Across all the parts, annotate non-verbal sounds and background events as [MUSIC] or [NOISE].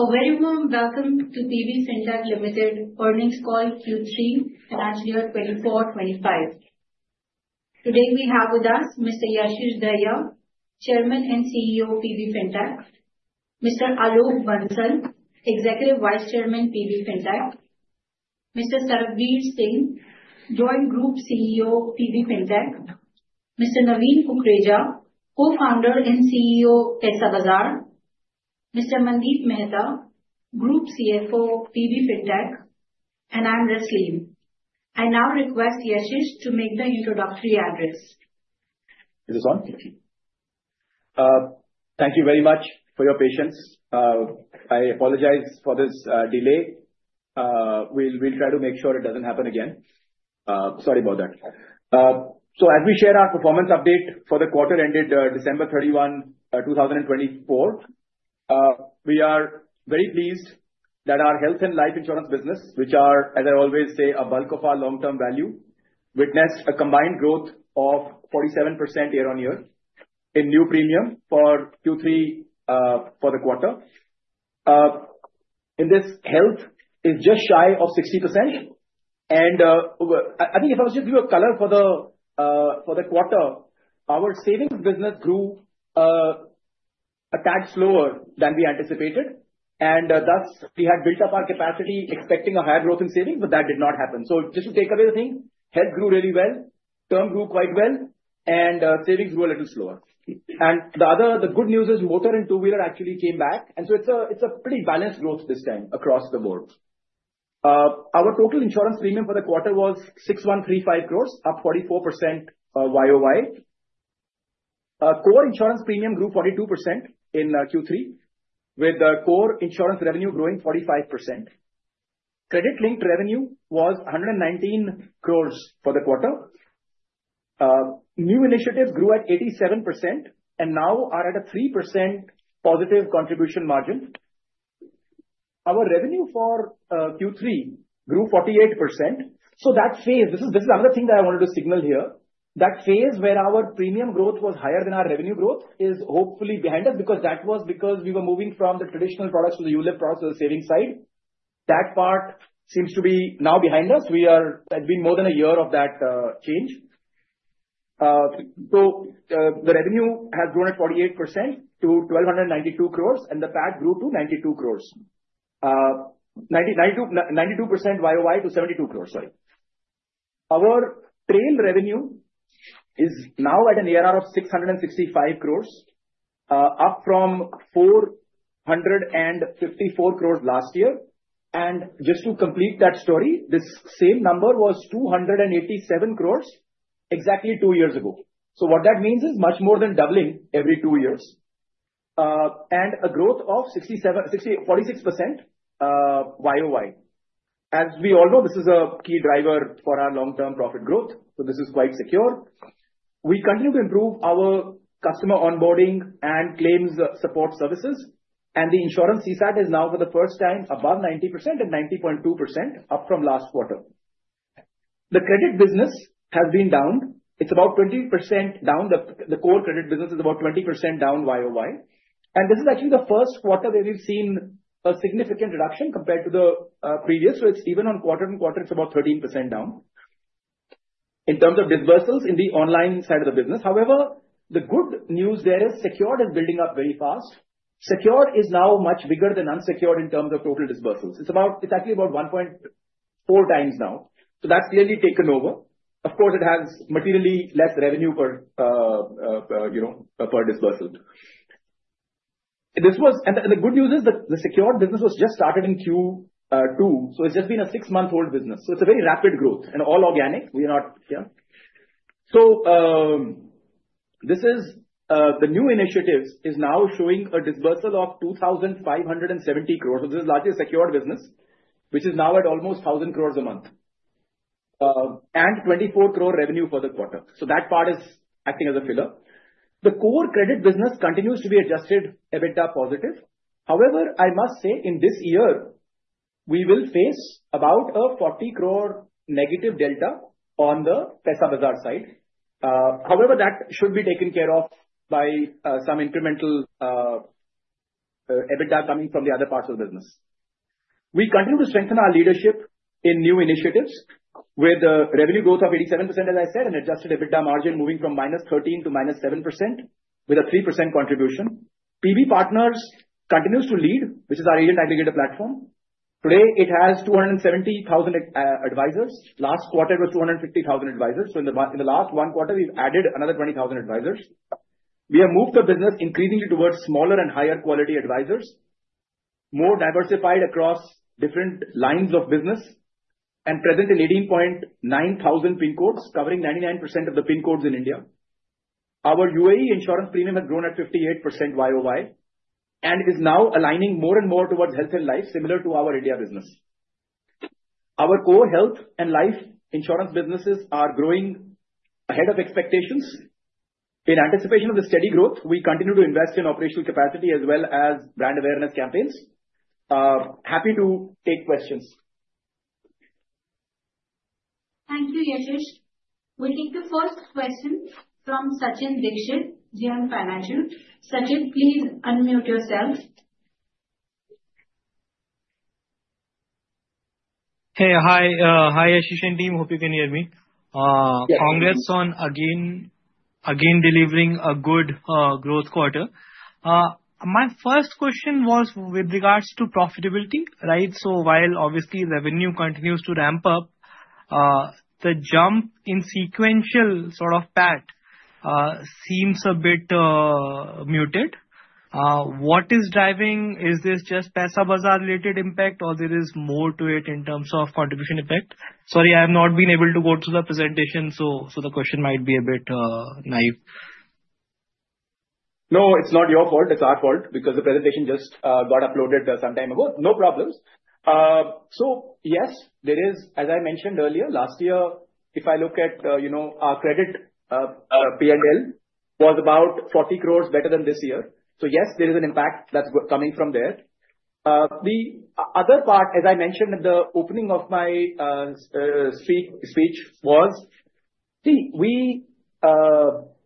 A very warm welcome to PB Fintech Limited earnings call Q3, financial year 2024-2025. Today we have with us Mr. Yashish Dahiya, Chairman and CEO of PB Fintech; Mr. Alok Bansal, Executive Vice Chairman of PB Fintech; Mr. Sarbvir Singh, Joint Group CEO of PB Fintech; Mr. Naveen Kukreja, Co-founder and CEO of Paisabazaar; Mr. Mandeep Mehta, Group CFO of PB Fintech; and I am Rasleen. I now request Yashish to make the introductory address. It is on. Thank you very much for your patience. I apologize for this delay. We'll try to make sure it doesn't happen again. Sorry about that. So, as we share our performance update for the quarter ended December 31, 2024, we are very pleased that our health and life insurance business, which are, as I always say, a bulk of our long-term value, witnessed a combined growth of 47% year-on-year in new premium for Q3 for the quarter. In this, health is just shy of 60%. And I think if I was to give you a color for the quarter, our savings business grew a tad slower than we anticipated. And thus, we had built up our capacity expecting a higher growth in savings, but that did not happen. Just to take away the thing, health grew really well, term grew quite well, and savings grew a little slower. The good news is motor and two-wheeler actually came back. So, it is a pretty balanced growth this time across the board. Our total insurance premium for the quarter was 6,135 crores, up 44% YOY. Core insurance premium grew 42% in Q3, with the core insurance revenue growing 45%. Credit-linked revenue was 119 crores for the quarter. New initiatives grew at 87%, and now are at a 3% positive contribution margin. Our revenue for Q3 grew 48%. That phase (this is another thing that I wanted to signal here) that phase where our premium growth was higher than our revenue growth is hopefully behind us because that was because we were moving from the traditional products to the unit products to the savings side. That part seems to be now behind us. We are. It's been more than a year of that change, so the revenue has grown at 48% to 1,292 crores, and the PAT grew to 92 crores. 92% YOY to 72 crores, sorry. Our trail revenue is now at an ARR of 665 crores, up from 454 crores last year, and just to complete that story, this same number was 287 crores exactly two years ago, so what that means is much more than doubling every two years, and a growth of 46% YOY. As we all know, this is a key driver for our long-term profit growth, so this is quite secure. We continue to improve our customer onboarding and claims support services, and the insurance CSAT is now, for the first time, above 90% and 90.2%, up from last quarter. The credit business has been down. It's about 20% down. The core credit business is about 20% down YOY. And this is actually the first quarter where we've seen a significant reduction compared to the previous. So, it's even on quarter-on-quarter, it's about 13% down in terms of disbursals in the online side of the business. However, the good news there is secured is building up very fast. Secured is now much bigger than unsecured in terms of total disbursals. It's actually about 1.4 times now. So, that's clearly taken over. Of course, it has materially less revenue per disbursal. And the good news is the secured business was just started in Q2. So, it's just been a six-month-old business. So, it's a very rapid growth and all organic. We are not here. So, the new initiatives are now showing a disbursal of 2,570 crores. So, this is largely a secured business, which is now at almost 1,000 crores a month and 24 crore revenue for the quarter. So, that part is acting as a filler. The core credit business continues to be adjusted EBITDA positive. However, I must say, in this year, we will face about a 40 crore negative delta on the Paisabazaar side. However, that should be taken care of by some incremental EBITDA coming from the other parts of the business. We continue to strengthen our leadership in new initiatives with a revenue growth of 87%, as I said, and adjusted EBITDA margin moving from -13% to -7% with a 3% contribution. PB Partners continues to lead, which is our agent aggregator platform. Today, it has 270,000 advisors. Last quarter was 250,000 advisors. So, in the last one quarter, we've added another 20,000 advisors. We have moved the business increasingly towards smaller and higher quality advisors, more diversified across different lines of business, and present in 18,900 PIN codes, covering 99% of the PIN codes in India. Our UAE insurance premium has grown at 58% YOY and is now aligning more and more towards health and life, similar to our India business. Our core health and life insurance businesses are growing ahead of expectations. In anticipation of the steady growth, we continue to invest in operational capacity as well as brand awareness campaigns. Happy to take questions. Thank you, Yashish. We'll take the first question from Sachin Dixit, JM Financial. Sachin, please unmute yourself. Hey, hi. Hi, Yashish and team. Hope you can hear me. Congrats on again delivering a good growth quarter. My first question was with regards to profitability, right? So, while obviously revenue continues to ramp up, the jump in sequential sort of PAT seems a bit muted. What is driving? Is this just Paisabazaar-related impact, or there is more to it in terms of contribution effect? Sorry, I have not been able to go through the presentation, so the question might be a bit naive. No, it's not your fault. It's our fault because the presentation just got uploaded some time ago. No problems. So, yes, there is, as I mentioned earlier, last year, if I look at our credit P&L, was about 40 crores better than this year. So, yes, there is an impact that's coming from there. The other part, as I mentioned at the opening of my speech, was we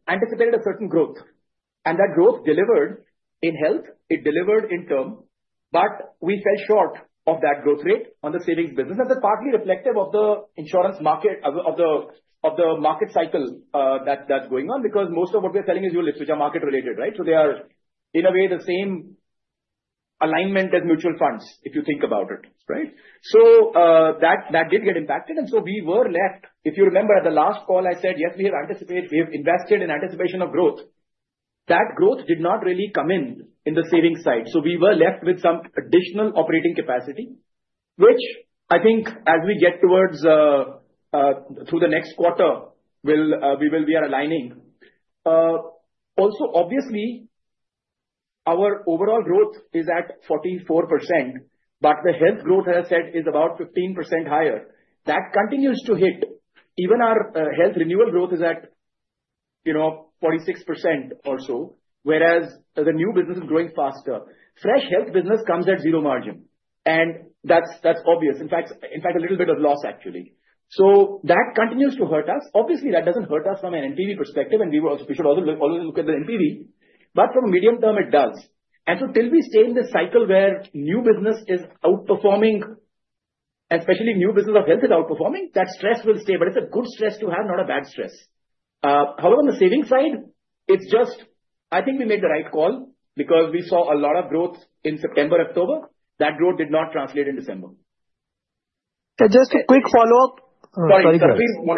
anticipated a certain growth, and that growth delivered in health. It delivered in term, but we fell short of that growth rate on the savings business. That's partly reflective of the insurance market, of the market cycle that's going on, because most of what we are selling is unit, which are market-related, right? So, they are in a way the same alignment as mutual funds, if you think about it, right? So, that did get impacted. And so, we were left, if you remember, at the last call, I said, yes, we have anticipated, we have invested in anticipation of growth. That growth did not really come in in the savings side. So, we were left with some additional operating capacity, which I think as we get towards through the next quarter, we are aligning. Also, obviously, our overall growth is at 44%, but the health growth, as I said, is about 15% higher. That continues to hit. Even our health renewal growth is at 46% or so, whereas the new business is growing faster. Fresh health business comes at zero margin, and that's obvious. In fact, a little bit of loss, actually. So, that continues to hurt us. Obviously, that doesn't hurt us from an NPV perspective, and we should also look at the NPV, but from a medium term, it does. So, till we stay in this cycle where new business is outperforming, especially new business of health is outperforming, that stress will stay. But it's a good stress to have, not a bad stress. However, on the savings side, it's just, I think we made the right call because we saw a lot of growth in September-October. That growth did not translate in December. Just a quick follow-up. Sorry, Sarbvir wanted to add something here, yeah, because. No, no. I just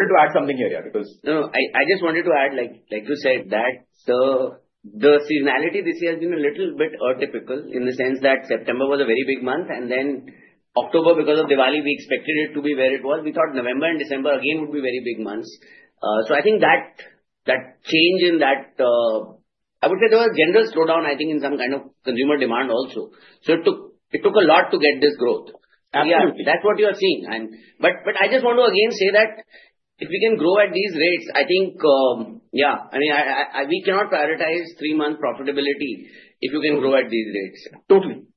wanted to add, like you said, that the seasonality this year has been a little bit atypical in the sense that September was a very big month, and then October, because of Diwali, we expected it to be where it was. We thought November and December again would be very big months. So, I think that change in that, I would say there was a general slowdown, I think, in some kind of consumer demand also. So, it took a lot to get this growth. That's what you are seeing. But I just want to again say that if we can grow at these rates, I think, yeah, I mean, we cannot prioritize three-month profitability if you can grow at these rates. Totally.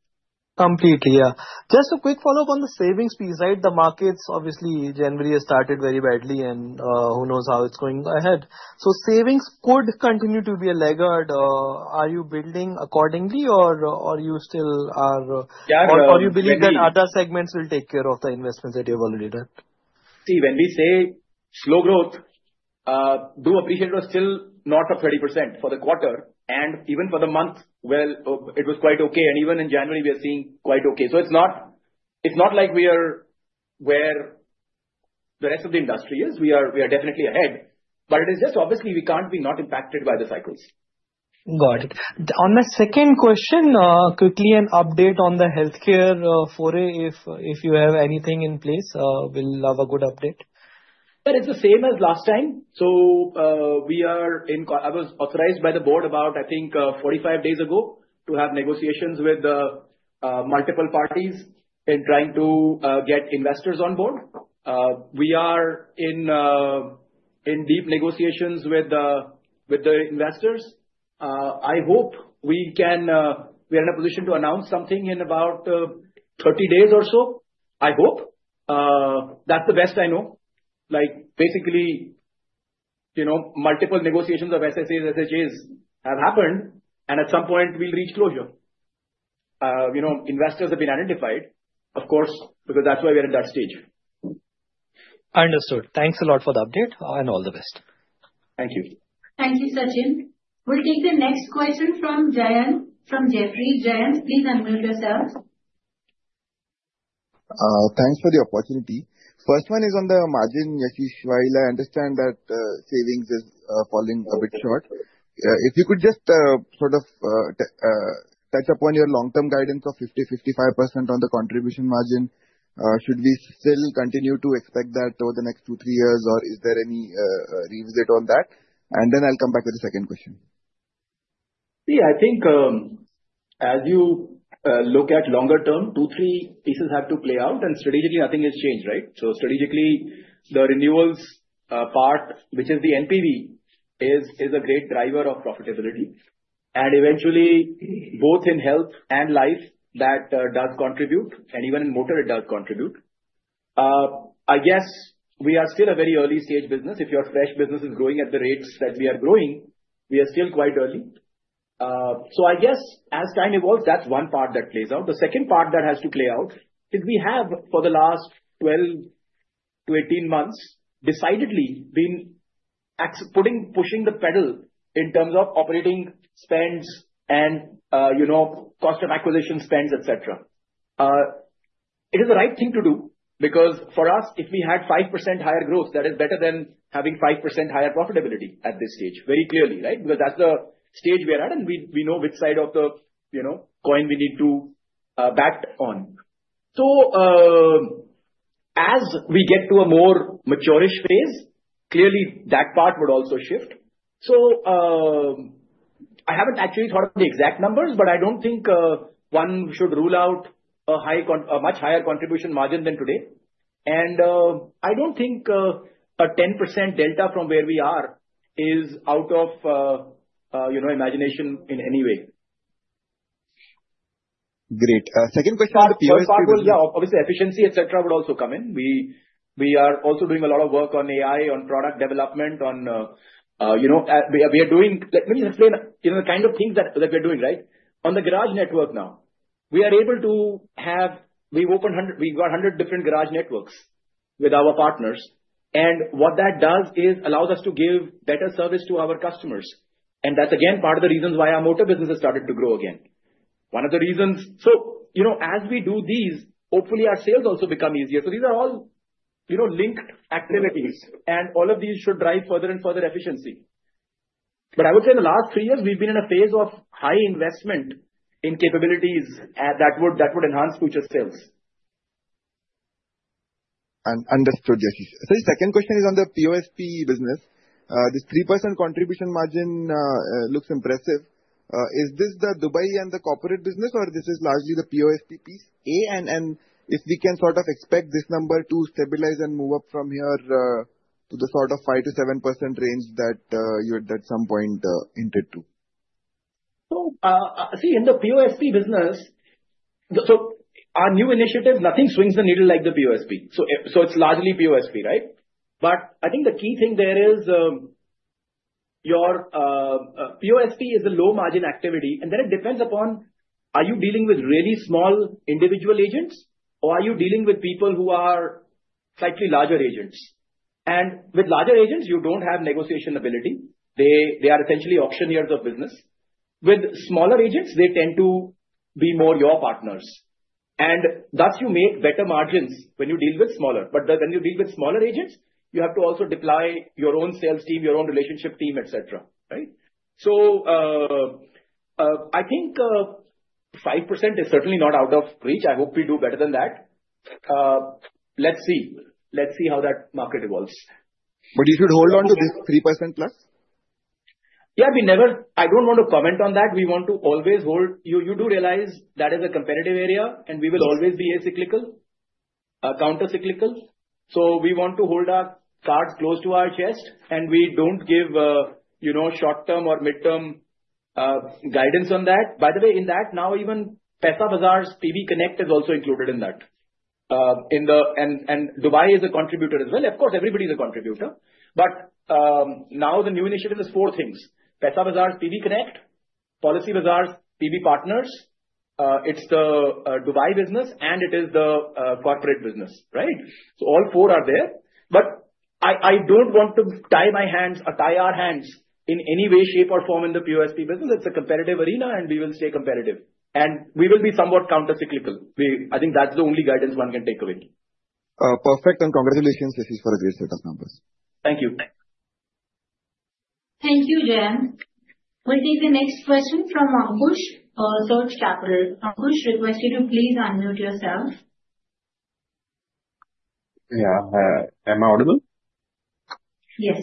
Completely, yeah. Just a quick follow-up on the savings piece, right? The markets, obviously, January has started very badly, and who knows how it's going ahead. So, savings could continue to be a laggard. Are you building accordingly, or are you still, or you believe that other segments will take care of the investments that you have already done? See, when we say slow growth, do appreciate it was still north of 30% for the quarter, and even for the month, well, it was quite okay, and even in January, we are seeing quite okay, so it's not like we are where the rest of the industry is. We are definitely ahead, but it is just, obviously, we can't be not impacted by the cycles. Got it. On my second question, quickly an update on the healthcare foray, if you have anything in place, we'll have a good update. Yeah, it's the same as last time, so I was authorized by the board about, I think, 45 days ago to have negotiations with multiple parties in trying to get investors on board. We are in deep negotiations with the investors. I hope we are in a position to announce something in about 30 days or so. I hope. That's the best I know. Basically, multiple negotiations of SSAs, SHAs have happened, and at some point, we'll reach closure. Investors have been identified, of course, because that's why we are in that stage. Understood. Thanks a lot for the update, and all the best. Thank you. Thank you, Sachin. We'll take the next question from Jayant from Jefferies. Jayant, please unmute yourself. Thanks for the opportunity. First one is on the margin, Yashish Dahiya, I understand that savings is falling a bit short. If you could just sort of touch upon your long-term guidance of 50%-55% on the contribution margin, should we still continue to expect that over the next two, three years, or is there any revisit on that? And then I'll come back with the second question. See, I think as you look at longer term, two, three pieces have to play out, and strategically, I think it's changed, right? So, strategically, the renewals part, which is the NPV, is a great driver of profitability. And eventually, both in health and life, that does contribute, and even in motor, it does contribute. I guess we are still a very early-stage business. If your fresh business is growing at the rates that we are growing, we are still quite early. So, I guess as time evolves, that's one part that plays out. The second part that has to play out is we have, for the last 12-18 months, decidedly been pushing the pedal in terms of operating spends and cost of acquisition spends, etc. It is the right thing to do because for us, if we had 5% higher growth, that is better than having 5% higher profitability at this stage, very clearly, right? Because that's the stage we are at, and we know which side of the coin we need to bat on. So, as we get to a more maturish phase, clearly, that part would also shift. So, I haven't actually thought of the exact numbers, but I don't think one should rule out a much higher contribution margin than today. And I don't think a 10% delta from where we are is out of imagination in any way. Great. Second question for POSP. Yeah, obviously, efficiency, etc., would also come in. We are also doing a lot of work on AI, on product development. We are doing, let me explain the kind of things that we are doing, right? On the garage network now, we are able to have, we've opened 100, we've got 100 different garage networks with our partners. And what that does is allows us to give better service to our customers. And that's, again, part of the reasons why our motor business has started to grow again. One of the reasons, so as we do these, hopefully, our sales also become easier. So, these are all linked activities, and all of these should drive further and further efficiency. But I would say in the last three years, we've been in a phase of high investment in capabilities that would enhance future sales. Understood, Yashish. So, the second question is on the POSP business. This 3% contribution margin looks impressive. Is this the Dubai and the corporate business, or this is largely the POSP piece? And if we can sort of expect this number to stabilize and move up from here to the sort of 5%-7% range that you had at some point hinted to? So, see, in the POSP business, so our new initiative, nothing swings the needle like the POSP. So, it's largely POSP, right? But I think the key thing there is your POSP is a low-margin activity, and then it depends upon are you dealing with really small individual agents, or are you dealing with people who are slightly larger agents? And with larger agents, you don't have negotiation ability. They are essentially auctioneers of business. With smaller agents, they tend to be more your partners. And thus, you make better margins when you deal with smaller. But when you deal with smaller agents, you have to also deploy your own sales team, your own relationship team, etc., right? So, I think 5% is certainly not out of reach. I hope we do better than that. Let's see. Let's see how that market evolves. But you should hold on to this 3%+? Yeah, we never. I don't want to comment on that. We want to always hold. You do realize that is a competitive area, and we will always be acyclical, counter-cyclical. So, we want to hold our cards close to our chest, and we don't give short-term or mid-term guidance on that. By the way, in that, now even Paisabazaar's PB Connect is also included in that, and Dubai is a contributor as well. Of course, everybody's a contributor, but now the new initiative is four things: Paisabazaar, PB Connect, Policybazaar, PB Partners. It's the Dubai business, and it is the corporate business, right, so all four are there, but I don't want to tie my hands or tie our hands in any way, shape, or form in the POSP business. It's a competitive arena, and we will stay competitive, and we will be somewhat counter-cyclical. I think that's the only guidance one can take away. Perfect, and congratulations, Yashish, for a great set of numbers. Thank you. Thank you, Jayant. We'll take the next question from Ankush, Surge Capital. Ankush, request you to please unmute yourself. Yeah, am I audible? Yes.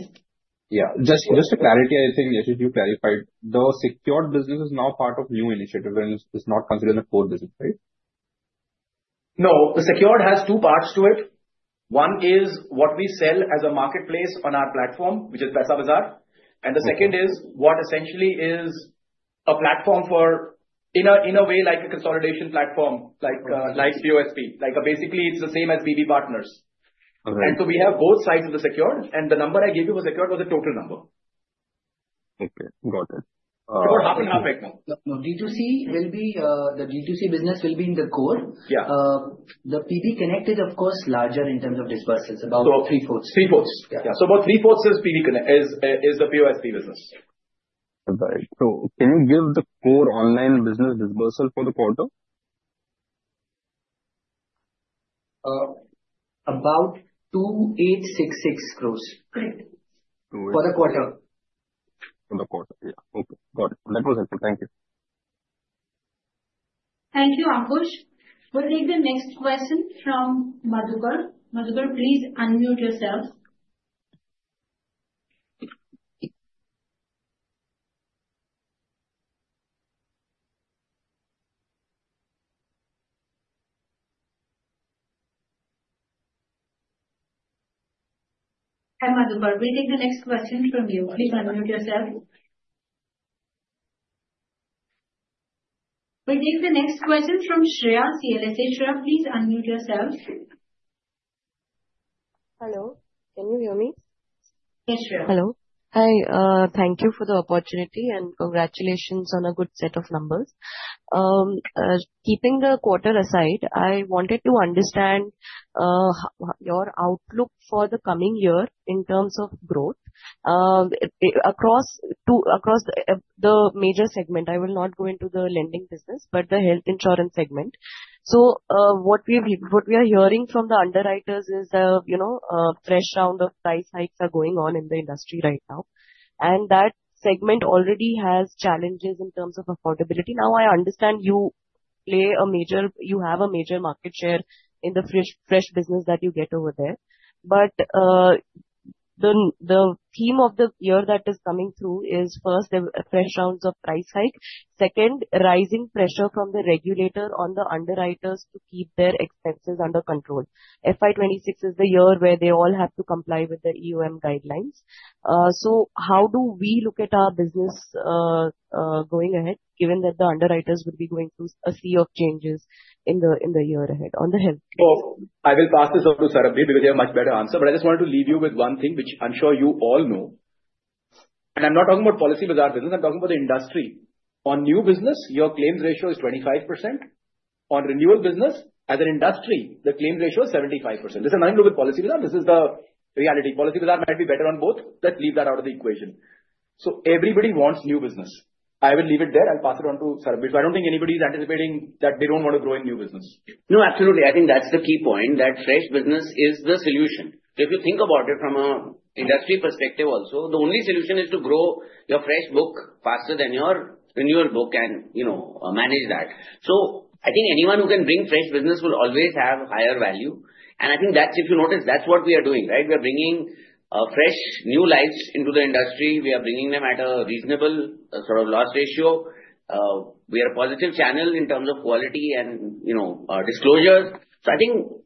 Yeah, just a clarity, I think, Yashish, you clarified, the secured business is now part of new initiative and is not considered a core business, right? No, the secured has two parts to it. One is what we sell as a marketplace on our platform, which is Paisabazaar. And the second is what essentially is a platform for, in a way, like a consolidation platform, like POSP. Basically, it's the same as PB Partners. And so, we have both sides of the secured, and the number I gave you for secured was a total number. Okay, got it. Secured happened halfway now. No, D2C will be, the D2C business will be in the core. The PB Connect is, of course, larger in terms of dispersals, about 3/4. 3/4 Yeah So, about 3/4 is PB Connect, is the POSP business. All right. So, can you give the core online business disbursal for the quarter? About 2,866 crores for the quarter. For the quarter, yeah. Okay, got it. That was helpful. Thank you. Thank you, Ankush. We'll take the next question from Madhukar. Madhukar, please unmute yourself. Madhukar, we'll take the next question from you. Please unmute yourself. We'll take the next question from Shreya, CLSA. Shreya, please unmute yourself. Hello, can you hear me? Yes, Shreya. Hello. Hi, thank you for the opportunity and congratulations on a good set of numbers. Keeping the quarter aside, I wanted to understand your outlook for the coming year in terms of growth across the major segment. I will not go into the lending business, but the health insurance segment. So, what we are hearing from the underwriters is a fresh round of price hikes are going on in the industry right now. And that segment already has challenges in terms of affordability. Now, I understand you have a major market share in the fresh business that you get over there. But the theme of the year that is coming through is first, fresh rounds of price hike. Second, rising pressure from the regulator on the underwriters to keep their expenses under control. FY26 is the year where they all have to comply with the EOM guidelines. So, how do we look at our business going ahead, given that the underwriters will be going through a sea of changes in the year ahead on the health? I will pass this over to Sarbvir because you have a much better answer. But I just wanted to leave you with one thing, which I'm sure you all know. I'm not talking about Policybazaar business. I'm talking about the industry. On new business, your claims ratio is 25%. On renewal business, as an industry, the claims ratio is 75%. This is unrelated Policybazaar. This is the reality. Policybazaar might be better on both. Let's leave that out of the equation. Everybody wants new business. I will leave it there. I'll pass it on to Sarbvir. I don't think anybody is anticipating that they don't want to grow in new business. No, absolutely. I think that's the key point that fresh business is the solution. If you think about it from an industry perspective also, the only solution is to grow your fresh book faster than your renewal book and manage that. So, I think anyone who can bring fresh business will always have higher value. And I think that's, if you notice, that's what we are doing, right? We are bringing fresh new lives into the industry. We are bringing them at a reasonable sort of loss ratio. We are a positive channel in terms of quality and disclosures. So, I think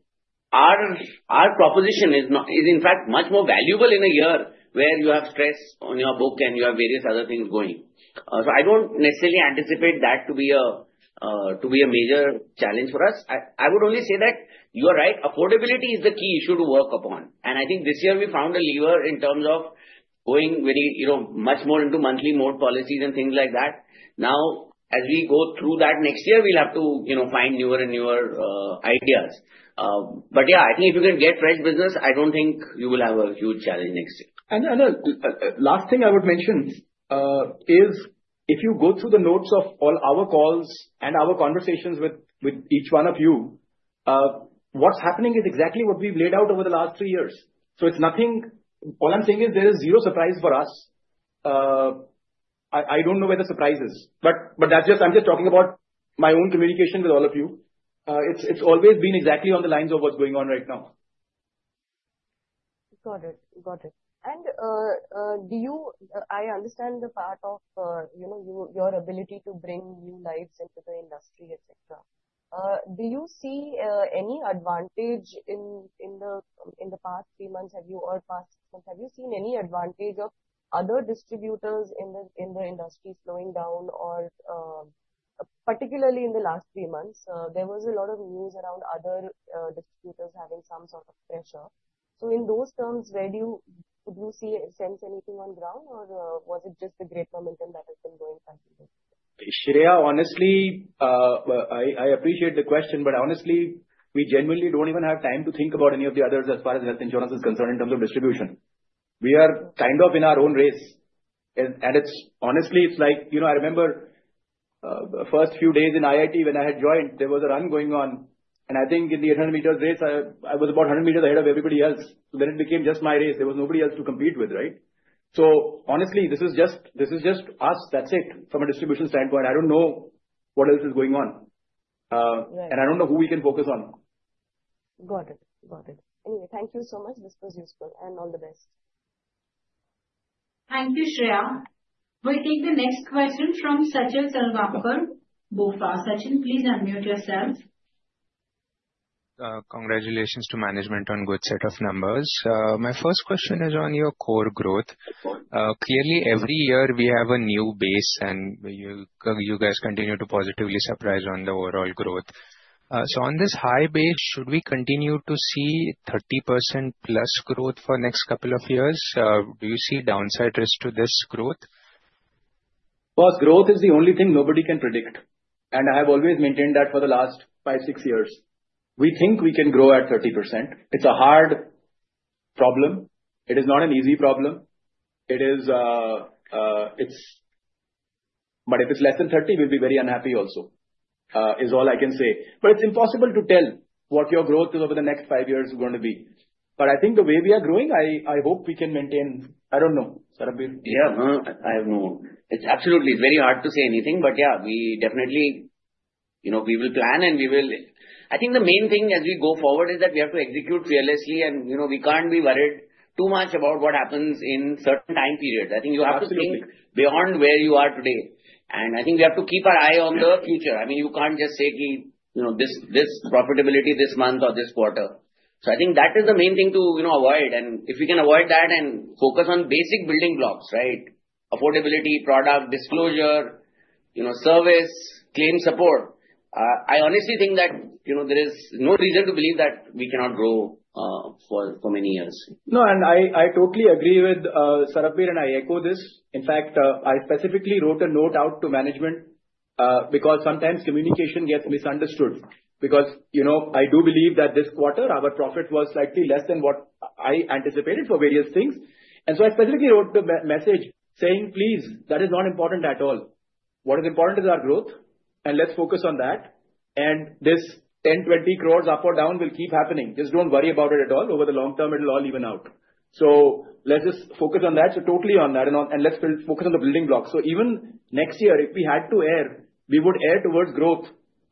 our proposition is, in fact, much more valuable in a year where you have stress on your book and you have various other things going. So, I don't necessarily anticipate that to be a major challenge for us. I would only say that you are right. Affordability is the key issue to work upon. And I think this year we found a lever in terms of going much more into monthly mode policies and things like that. Now, as we go through that next year, we'll have to find newer and newer ideas. But yeah, I think if you can get fresh business, I don't think you will have a huge challenge next year. And the last thing I would mention is if you go through the notes of all our calls and our conversations with each one of you, what's happening is exactly what we've laid out over the last three years. So, it's nothing. All I'm saying is there is zero surprise for us. I don't know where the surprise is. But I'm just talking about my own communication with all of you. It's always been exactly on the lines of what's going on right now. Got it. Got it. And I understand the part of your ability to bring new lives into the industry, etc. Do you see any advantage in the past three months? Have you seen any advantage of other distributors in the industry slowing down, or particularly in the last three months? There was a lot of news around other distributors having some sort of pressure. So, in those terms, would you sense anything on the ground, or was it just the great momentum that has been going? Shreya, honestly, I appreciate the question, but honestly, we genuinely don't even have time to think about any of the others as far as health insurance is concerned in terms of distribution. We are kind of in our own race, and honestly, it's like, I remember the first few days in IIT when I had joined, there was a run going on, and I think in the 800 m race, I was about 100 m ahead of everybody else, then it became just my race, there was nobody else to compete with, right, so honestly, this is just us, that's it, from a distribution standpoint. I don't know what else is going on, and I don't know who we can focus on. Got it. Got it. Anyway, thank you so much. This was useful and all the best. Thank you, Shreya. We'll take the next question from Sachin Salgaonkar, Bank of America. Sachin, please unmute yourself. Congratulations to management on a good set of numbers. My first question is on your core growth. Clearly, every year we have a new base, and you guys continue to positively surprise on the overall growth. On this high base, should we continue to see 30% plus growth for the next couple of years? Do you see downside risk to this growth? Growth is the only thing nobody can predict. I have always maintained that for the last five, six years. We think we can grow at 30%. It's a hard problem. It is not an easy problem. If it's less than 30%, we'll be very unhappy also, is all I can say. It's impossible to tell what your growth is over the next five years going to be. I think the way we are growing, I hope we can maintain. I don't know, Sarbvir. Yeah, I have no one. It's absolutely very hard to say anything, but yeah, we definitely, we will plan, and we will. I think the main thing as we go forward is that we have to execute fearlessly, and we can't be worried too much about what happens in certain time periods. I think you have to think beyond where you are today, and I think we have to keep our eye on the future. I mean, you can't just say, "Keep this profitability this month or this quarter," so I think that is the main thing to avoid. And if we can avoid that and focus on basic building blocks, right? Affordability, product disclosure, service, claim support. I honestly think that there is no reason to believe that we cannot grow for many years. No, and I totally agree with Sarbvir, and I echo this. In fact, I specifically wrote a note out to management because sometimes communication gets misunderstood. Because I do believe that this quarter, our profit was slightly less than what I anticipated for various things. And so, I specifically wrote the message saying, "Please, that is not important at all. What is important is our growth, and let's focus on that. And this 10-20 crores up or down will keep happening. Just don't worry about it at all. Over the long term, it'll all even out. So, let's just focus on that, totally on that, and let's focus on the building blocks. So, even next year, if we had to err, we would err towards growth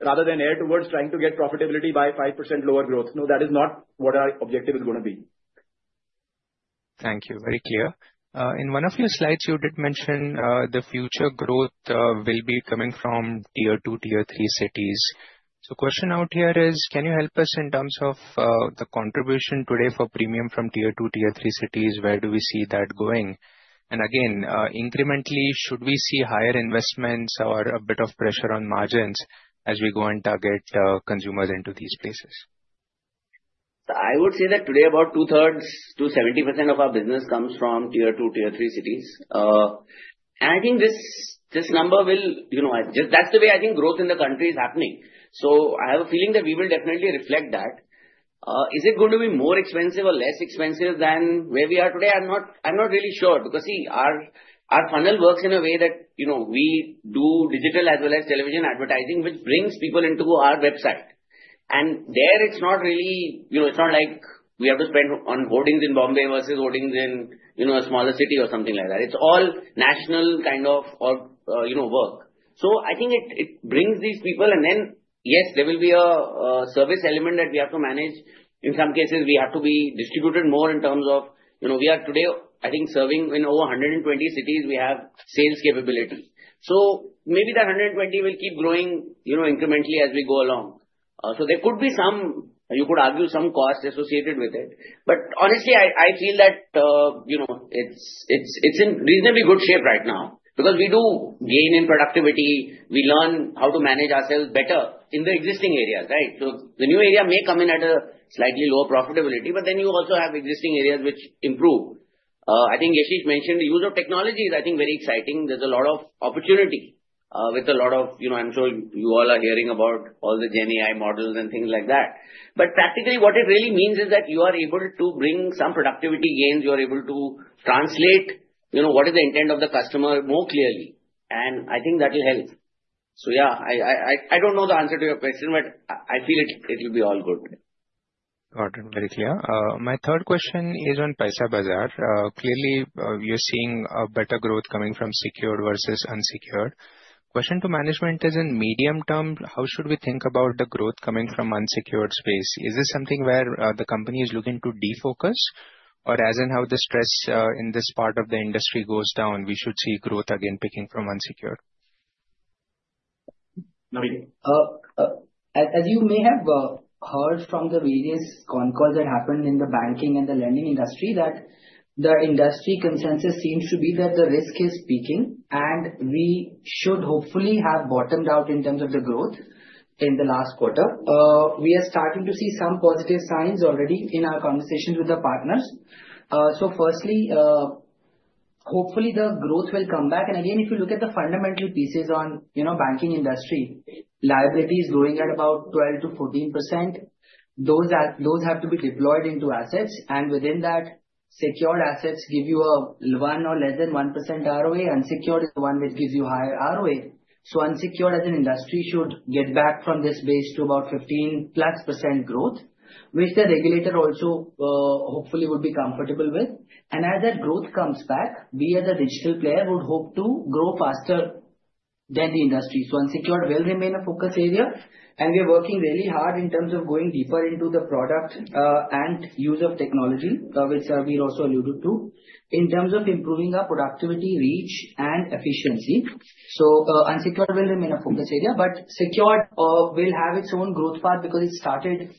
rather than err towards trying to get profitability by 5% lower growth. No, that is not what our objective is going to be. Thank you. Very clear. In one of your slides, you did mention the future growth will be coming from tier two, tier three cities. So, the question out here is, can you help us in terms of the contribution today for premium from tier two, tier three cities? Where do we see that going? And again, incrementally, should we see higher investments or a bit of pressure on margins as we go and target consumers into these places? So, I would say that today, about two-thirds to 70% of our business comes from tier two, tier three cities. And I think this number will, that's the way I think growth in the country is happening. So, I have a feeling that we will definitely reflect that. Is it going to be more expensive or less expensive than where we are today? I'm not really sure. Because see, our funnel works in a way that we do digital as well as television advertising, which brings people into our website. And there, it's not really, it's not like we have to spend on hoardings in Bombay versus hoardings in a smaller city or something like that. It's all national kind of work. So, I think it brings these people, and then, yes, there will be a service element that we have to manage. In some cases, we have to be distributed more in terms of, we are today, I think, serving in over 120 cities. We have sales capability. So, maybe the 120 will keep growing incrementally as we go along. So, there could be some, you could argue, some cost associated with it. But honestly, I feel that it's in reasonably good shape right now. Because we do gain in productivity. We learn how to manage ourselves better in the existing areas, right? So, the new area may come in at a slightly lower profitability, but then you also have existing areas which improve. I think Yashish mentioned the use of technology is, I think, very exciting. There's a lot of opportunity with a lot of, I'm sure you all are hearing about all the GenAI models and things like that. But practically, what it really means is that you are able to bring some productivity gains. You are able to translate what is the intent of the customer more clearly. And I think that will help. So, yeah, I don't know the answer to your question, but I feel it will be all good. Got it. Very clear. My third question is on Paisabazaar. Clearly, you're seeing better growth coming from secured versus unsecured. Question to management is, in medium term, how should we think about the growth coming from unsecured space? Is this something where the company is looking to defocus? Or as in how the stress in this part of the industry goes down, we should see growth again picking from unsecured? Naveen. As you may have heard from the various con calls that happened in the banking and the lending industry, that the industry consensus seems to be that the risk is peaking, and we should hopefully have bottomed out in terms of the growth in the last quarter. We are starting to see some positive signs already in our conversations with the partners. So firstly, hopefully, the growth will come back, and again, if you look at the fundamental pieces on banking industry, liability is growing at about 12%-14%. Those have to be deployed into assets. And within that, secured assets give you a 1% or less than 1% ROA. Unsecured is the one which gives you higher ROA. So, unsecured as an industry should get back from this base to about 15%+ growth, which the regulator also hopefully would be comfortable with. As that growth comes back, we as a digital player would hope to grow faster than the industry. Unsecured will remain a focus area. We are working really hard in terms of going deeper into the product and use of technology, which Sarbvir also alluded to, in terms of improving our productivity, reach, and efficiency. Unsecured will remain a focus area, but secured will have its own growth path because it started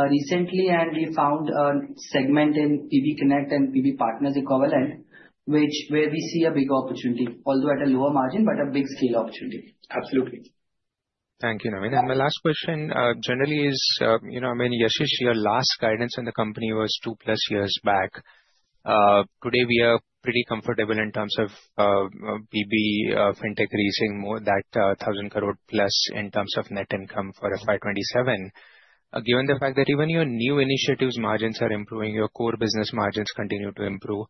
recently, and we found a segment in PB Connect and PB Partners equivalent, which is where we see a big opportunity, although at a lower margin, but a big scale opportunity. Absolutely. Thank you, Naveen. And my last question generally is, I mean, Yashish, your last guidance in the company was two plus years back. Today, we are pretty comfortable in terms of PB Fintech reaching that 1,000+ crore in terms of net income for FY27. Given the fact that even your new initiatives' margins are improving, your core business margins continue to improve,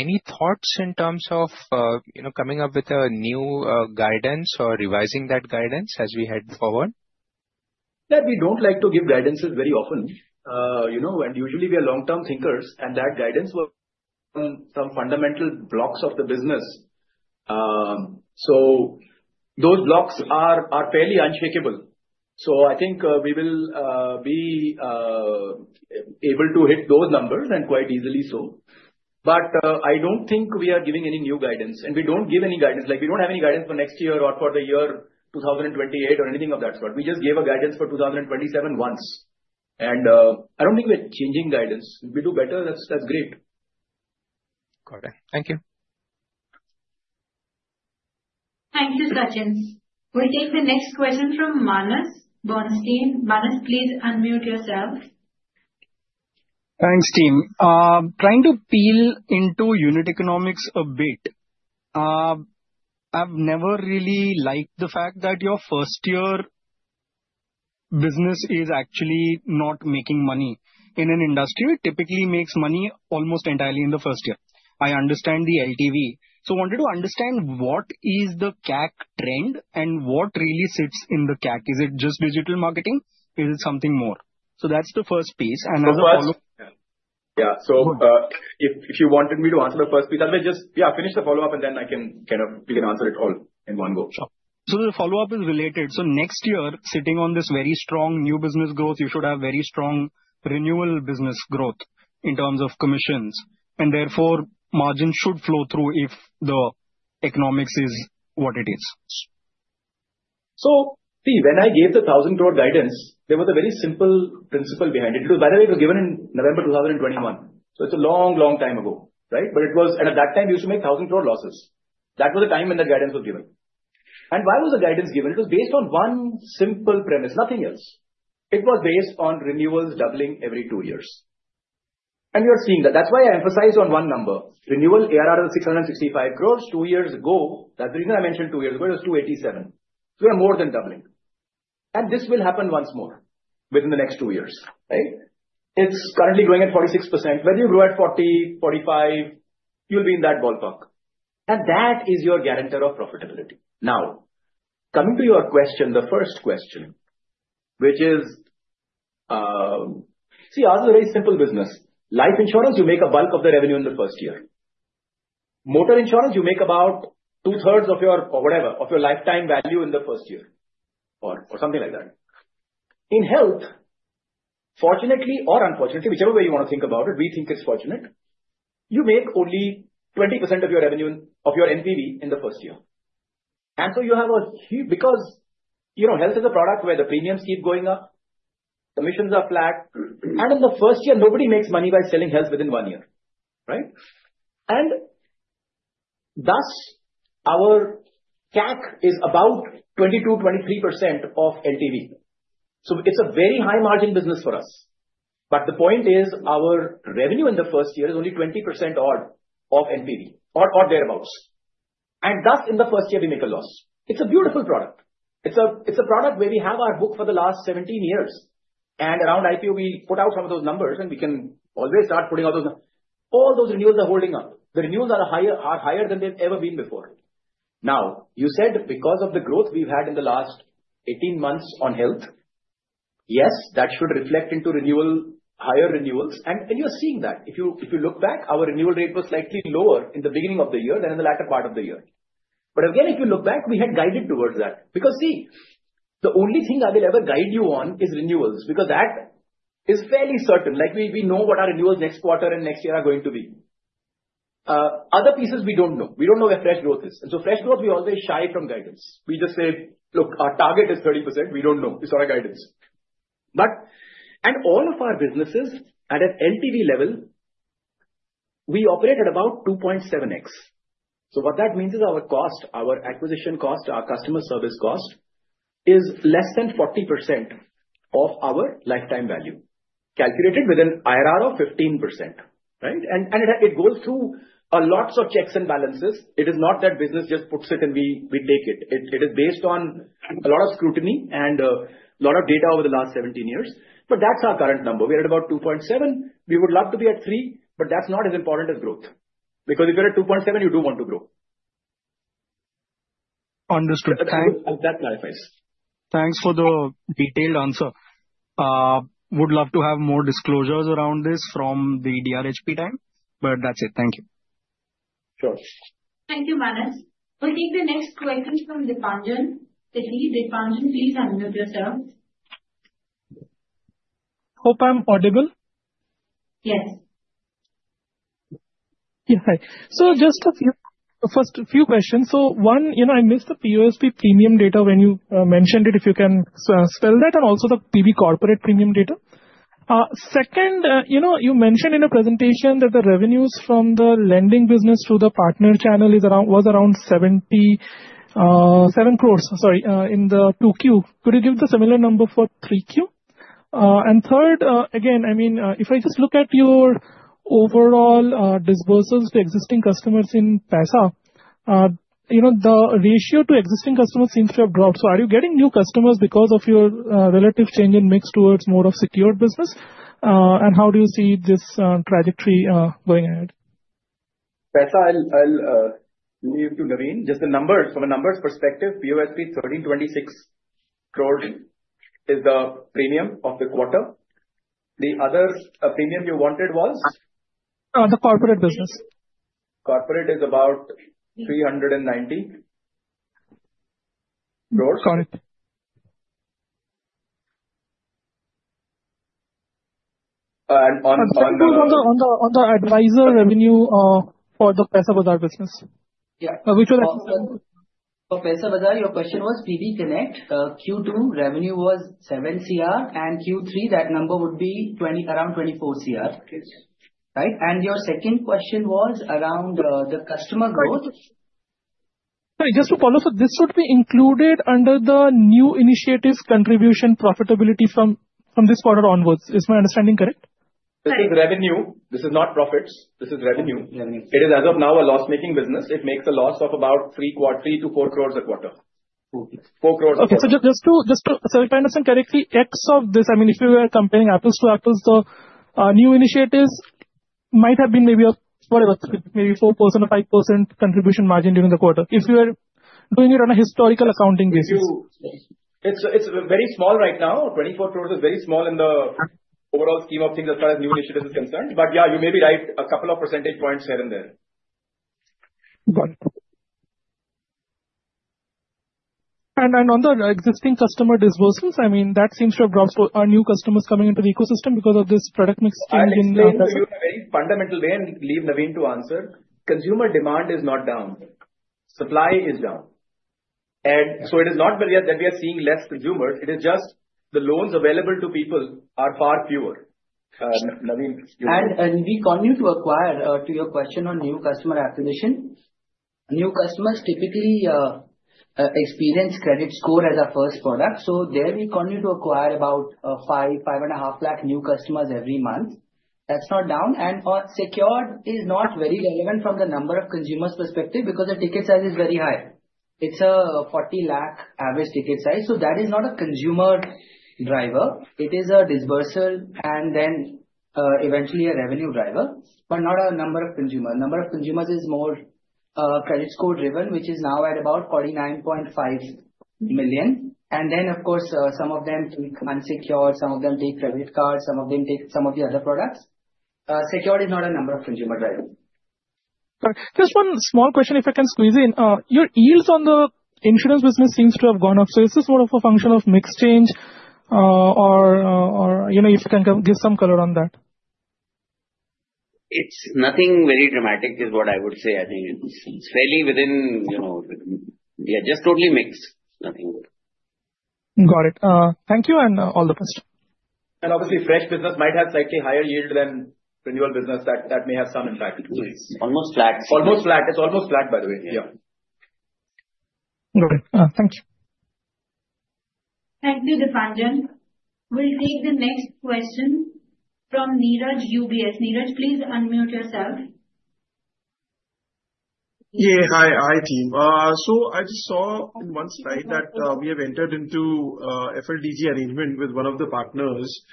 any thoughts in terms of coming up with a new guidance or revising that guidance as we head forward? That we don't like to give guidances very often, and usually, we are long-term thinkers, and that guidance will come from fundamental blocks of the business, so those blocks are fairly unshakable, so I think we will be able to hit those numbers and quite easily so, but I don't think we are giving any new guidance, and we don't give any guidance. We don't have any guidance for next year or for the year 2028 or anything of that sort. We just gave a guidance for 2027 once, and I don't think we're changing guidance. If we do better, that's great. Got it. Thank you. Thank you, Sachin. We'll take the next question from Manas, Bernstein. Manas, please unmute yourself. Thanks, team. Trying to delve into unit economics a bit. I've never really liked the fact that your first-year business is actually not making money. In an industry, it typically makes money almost entirely in the first year. I understand the LTV. So, I wanted to understand what is the CAC trend and what really sits in the CAC? Is it just digital marketing? Is it something more? So, that's the first piece, and I want to follow up. Yeah, so if you wanted me to answer the first piece, I will just, yeah, finish the follow-up, and then I can kind of, we can answer it all in one go. Sure. So, the follow-up is related. So, next year, sitting on this very strong new business growth, you should have very strong renewal business growth in terms of commissions. And therefore, margins should flow through if the economics is what it is. So, see, when I gave the 1,000 crore guidance, there was a very simple principle behind it. By the way, it was given in November 2021. So, it's a long, long time ago, right? But it was, and at that time, you used to make 1,000 crore losses. That was the time when that guidance was given. And why was the guidance given? It was based on one simple premise, nothing else. It was based on renewals doubling every two years. And we are seeing that. That's why I emphasize on one number. Renewal ARR was 665 crores two years ago. That's the reason I mentioned two years ago. It was 287. So, we are more than doubling. And this will happen once more within the next two years, right? It's currently growing at 46%. Whether you grow at 40%, 45%, you'll be in that ballpark. That is your guarantor of profitability. Now, coming to your question, the first question, which is, see, ours is a very simple business. Life insurance, you make a bulk of the revenue in the first year. Motor insurance, you make about 2/3 of your, or whatever, of your lifetime value in the first year or something like that. In health, fortunately or unfortunately, whichever way you want to think about it, we think it's fortunate, you make only 20% of your revenue of your NPV in the first year. And so, you have a huge, because health is a product where the premiums keep going up, commissions are flat, and in the first year, nobody makes money by selling health within one year, right? And thus, our CAC is about 22%, 23% of LTV. So, it's a very high-margin business for us. But the point is, our revenue in the first year is only 20% odd of NPV or thereabouts. And thus, in the first year, we make a loss. It's a beautiful product. It's a product where we have our book for the last 17 years. And around IPO, we put out some of those numbers, and we can always start putting out those. All those renewals are holding up. The renewals are higher than they've ever been before. Now, you said because of the growth we've had in the last 18 months on health, yes, that should reflect into renewal, higher renewals. And you're seeing that. If you look back, our renewal rate was slightly lower in the beginning of the year than in the latter part of the year. But again, if you look back, we had guided towards that. Because see, the only thing I will ever guide you on is renewals because that is fairly certain. Like, we know what our renewals next quarter and next year are going to be. Other pieces we don't know. We don't know where fresh growth is. And so, fresh growth, we always shy from guidance. We just say, "Look, our target is 30%. We don't know. It's our guidance." And all of our businesses at an NPV level, we operate at about 2.7x. So, what that means is our cost, our acquisition cost, our customer service cost is less than 40% of our lifetime value calculated with an IRR of 15%, right? And it goes through lots of checks and balances. It is not that business just puts it and we take it. It is based on a lot of scrutiny and a lot of data over the last 17 years. But that's our current number. We are at about 2.7. We would love to be at 3, but that's not as important as growth. Because if you're at 2.7, you do want to grow. Understood. Thanks. That clarifies. Thanks for the detailed answer. Would love to have more disclosures around this from the DRHP time, but that's it. Thank you. Sure. Thank you, Manas. We'll take the next question from Dipanjan. Dipanjan, please unmute yourself. Hope I'm audible. Yes. Yeah. So, just a few, first, a few questions. So, one, I missed the POSP premium data when you mentioned it, if you can spell that, and also the PB Corporate premium data. Second, you mentioned in your presentation that the revenues from the lending business through the partner channel was around 77 crores, sorry, in the 2Q. Could you give the similar number for 3Q? And third, again, I mean, if I just look at your overall disbursals to existing customers in Paisa, the ratio to existing customers seems to have grown. So, are you getting new customers because of your relative change in mix towards more of secured business? And how do you see this trajectory going ahead? Paisa, I'll leave to Naveen. Just the numbers, from a numbers perspective, POSP 1,326 crore is the premium of the quarter. The other premium you wanted was? The corporate business. Corporate is about INR 390 crores. [CROSSTALK] On the advisor revenue for the Paisabazaar business? Yeah. For Paisabazaar, your question was PB Connect, Q2 revenue was 7 Cr, and Q3, that number would be around 24 Cr, right? And your second question was around the customer growth. Sorry, just to follow, so this should be included under the new initiative contribution profitability from this quarter onwards. Is my understanding correct? This is revenue. This is not profits. This is revenue. It is, as of now, a loss-making business. It makes a loss of about 3-4 crores a quarter. 4 crores a quarter. Okay, so just to clarify and understand correctly, X of this, I mean, if you are comparing apples to apples, the new initiatives might have been maybe a, whatever, maybe 4% or 5% contribution margin during the quarter if you are doing it on a historical accounting basis. It's very small right now. 24 crores is very small in the overall scheme of things as far as new initiatives are concerned. But yeah, you may be right a couple of percentage points here and there. Got it. On the existing customer disbursals, I mean, that seems to have dropped for our new customers coming into the ecosystem because of this product mix change in. Let me leave Naveen in a very fundamental way and leave Naveen to answer. Consumer demand is not down. Supply is down. And so it is not that we are seeing less consumers. It is just the loans available to people are far fewer. Naveen, you're good. And we continue to acquire, to your question on new customer acquisition, new customers typically experience credit score as a first product. So there we continue to acquire about five, five and a half lakh new customers every month. That's not down. And secured is not very relevant from the number of consumers' perspective because the ticket size is very high. It's a 40 lakh average ticket size. So that is not a consumer driver. It is a disbursal and then eventually a revenue driver, but not a number of consumers. Number of consumers is more credit score driven, which is now at about 49.5 million. And then, of course, some of them take unsecured, some of them take credit cards, some of them take some of the other products. Secured is not a number of consumer driver. Just one small question, if I can squeeze in. Your yields on the insurance business seems to have gone up. So is this more of a function of mix change or if you can give some color on that? It's nothing very dramatic, is what I would say. I think it's fairly within, yeah, just totally mixed. Got it. Thank you. And all the best. Obviously, fresh business might have slightly higher yield than renewal business. That may have some impact. Almost flat. Almost flat. It's almost flat, by the way. Yeah. Got it. Thank you. Thank you, Dipanjan. We'll take the next question from Neeraj, UBS. Neeraj, please unmute yourself. Yeah. Hi, team. So I just saw in one slide that we have entered into FLDG arrangement with one of the partners.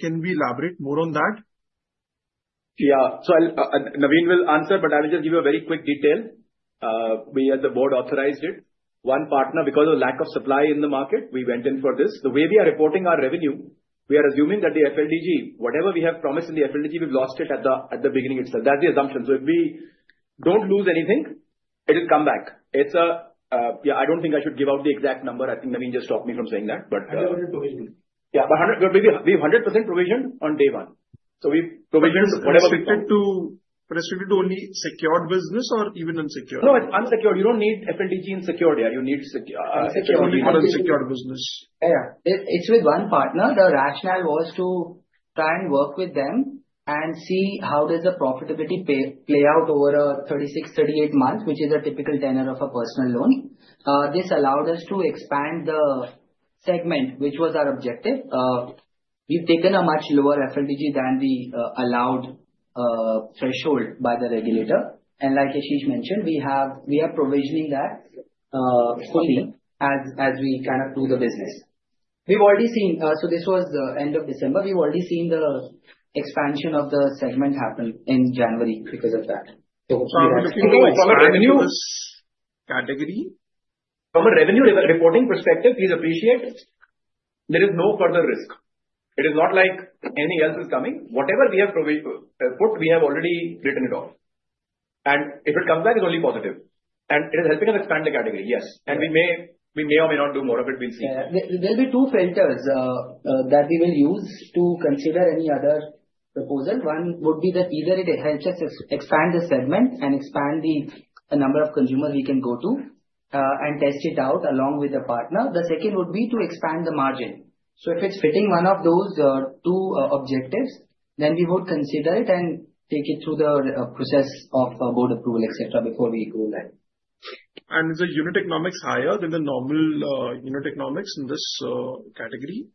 Can we elaborate more on that? Yeah. So Naveen will answer, but I will just give you a very quick detail. We as the board authorized it. One partner, because of lack of supply in the market, we went in for this. The way we are reporting our revenue, we are assuming that the FLDG, whatever we have promised in the FLDG, we've lost it at the beginning itself. That's the assumption. So if we don't lose anything, it will come back. Yeah, I don't think I should give out the exact number. I think Naveen just stopped me from saying that, but. [CROSSTALK] Yeah. But we've 100% provisioned on day one. So we provisioned whatever. Restricted to only secured business or even unsecured? No, it's unsecured. You don't need FLDG unsecured. You need unsecured. Unsecured business. Yeah. It's with one partner. The rationale was to try and work with them and see how does the profitability play out over 36 months-38 months, which is a typical tenor of a personal loan. This allowed us to expand the segment, which was our objective. We've taken a much lower FLDG than the allowed threshold by the regulator. And like Yashish mentioned, we are provisioning that fully as we kind of do the business. We've already seen, so this was the end of December. We've already seen the expansion of the segment happen in January because of that. From a revenue category, from a revenue reporting perspective, please appreciate there is no further risk. It is not like anything else is coming. Whatever we have put, we have already written it off and if it comes back, it's only positive and it is helping us expand the category, yes and we may or may not do more of it. We'll see. There will be two filters that we will use to consider any other proposal. One would be that either it helps us expand the segment and expand the number of consumers we can go to and test it out along with the partner. The second would be to expand the margin. So if it's fitting one of those two objectives, then we would consider it and take it through the process of board approval, etc., before we go there. Is the unit economics higher than the normal unit economics in this category?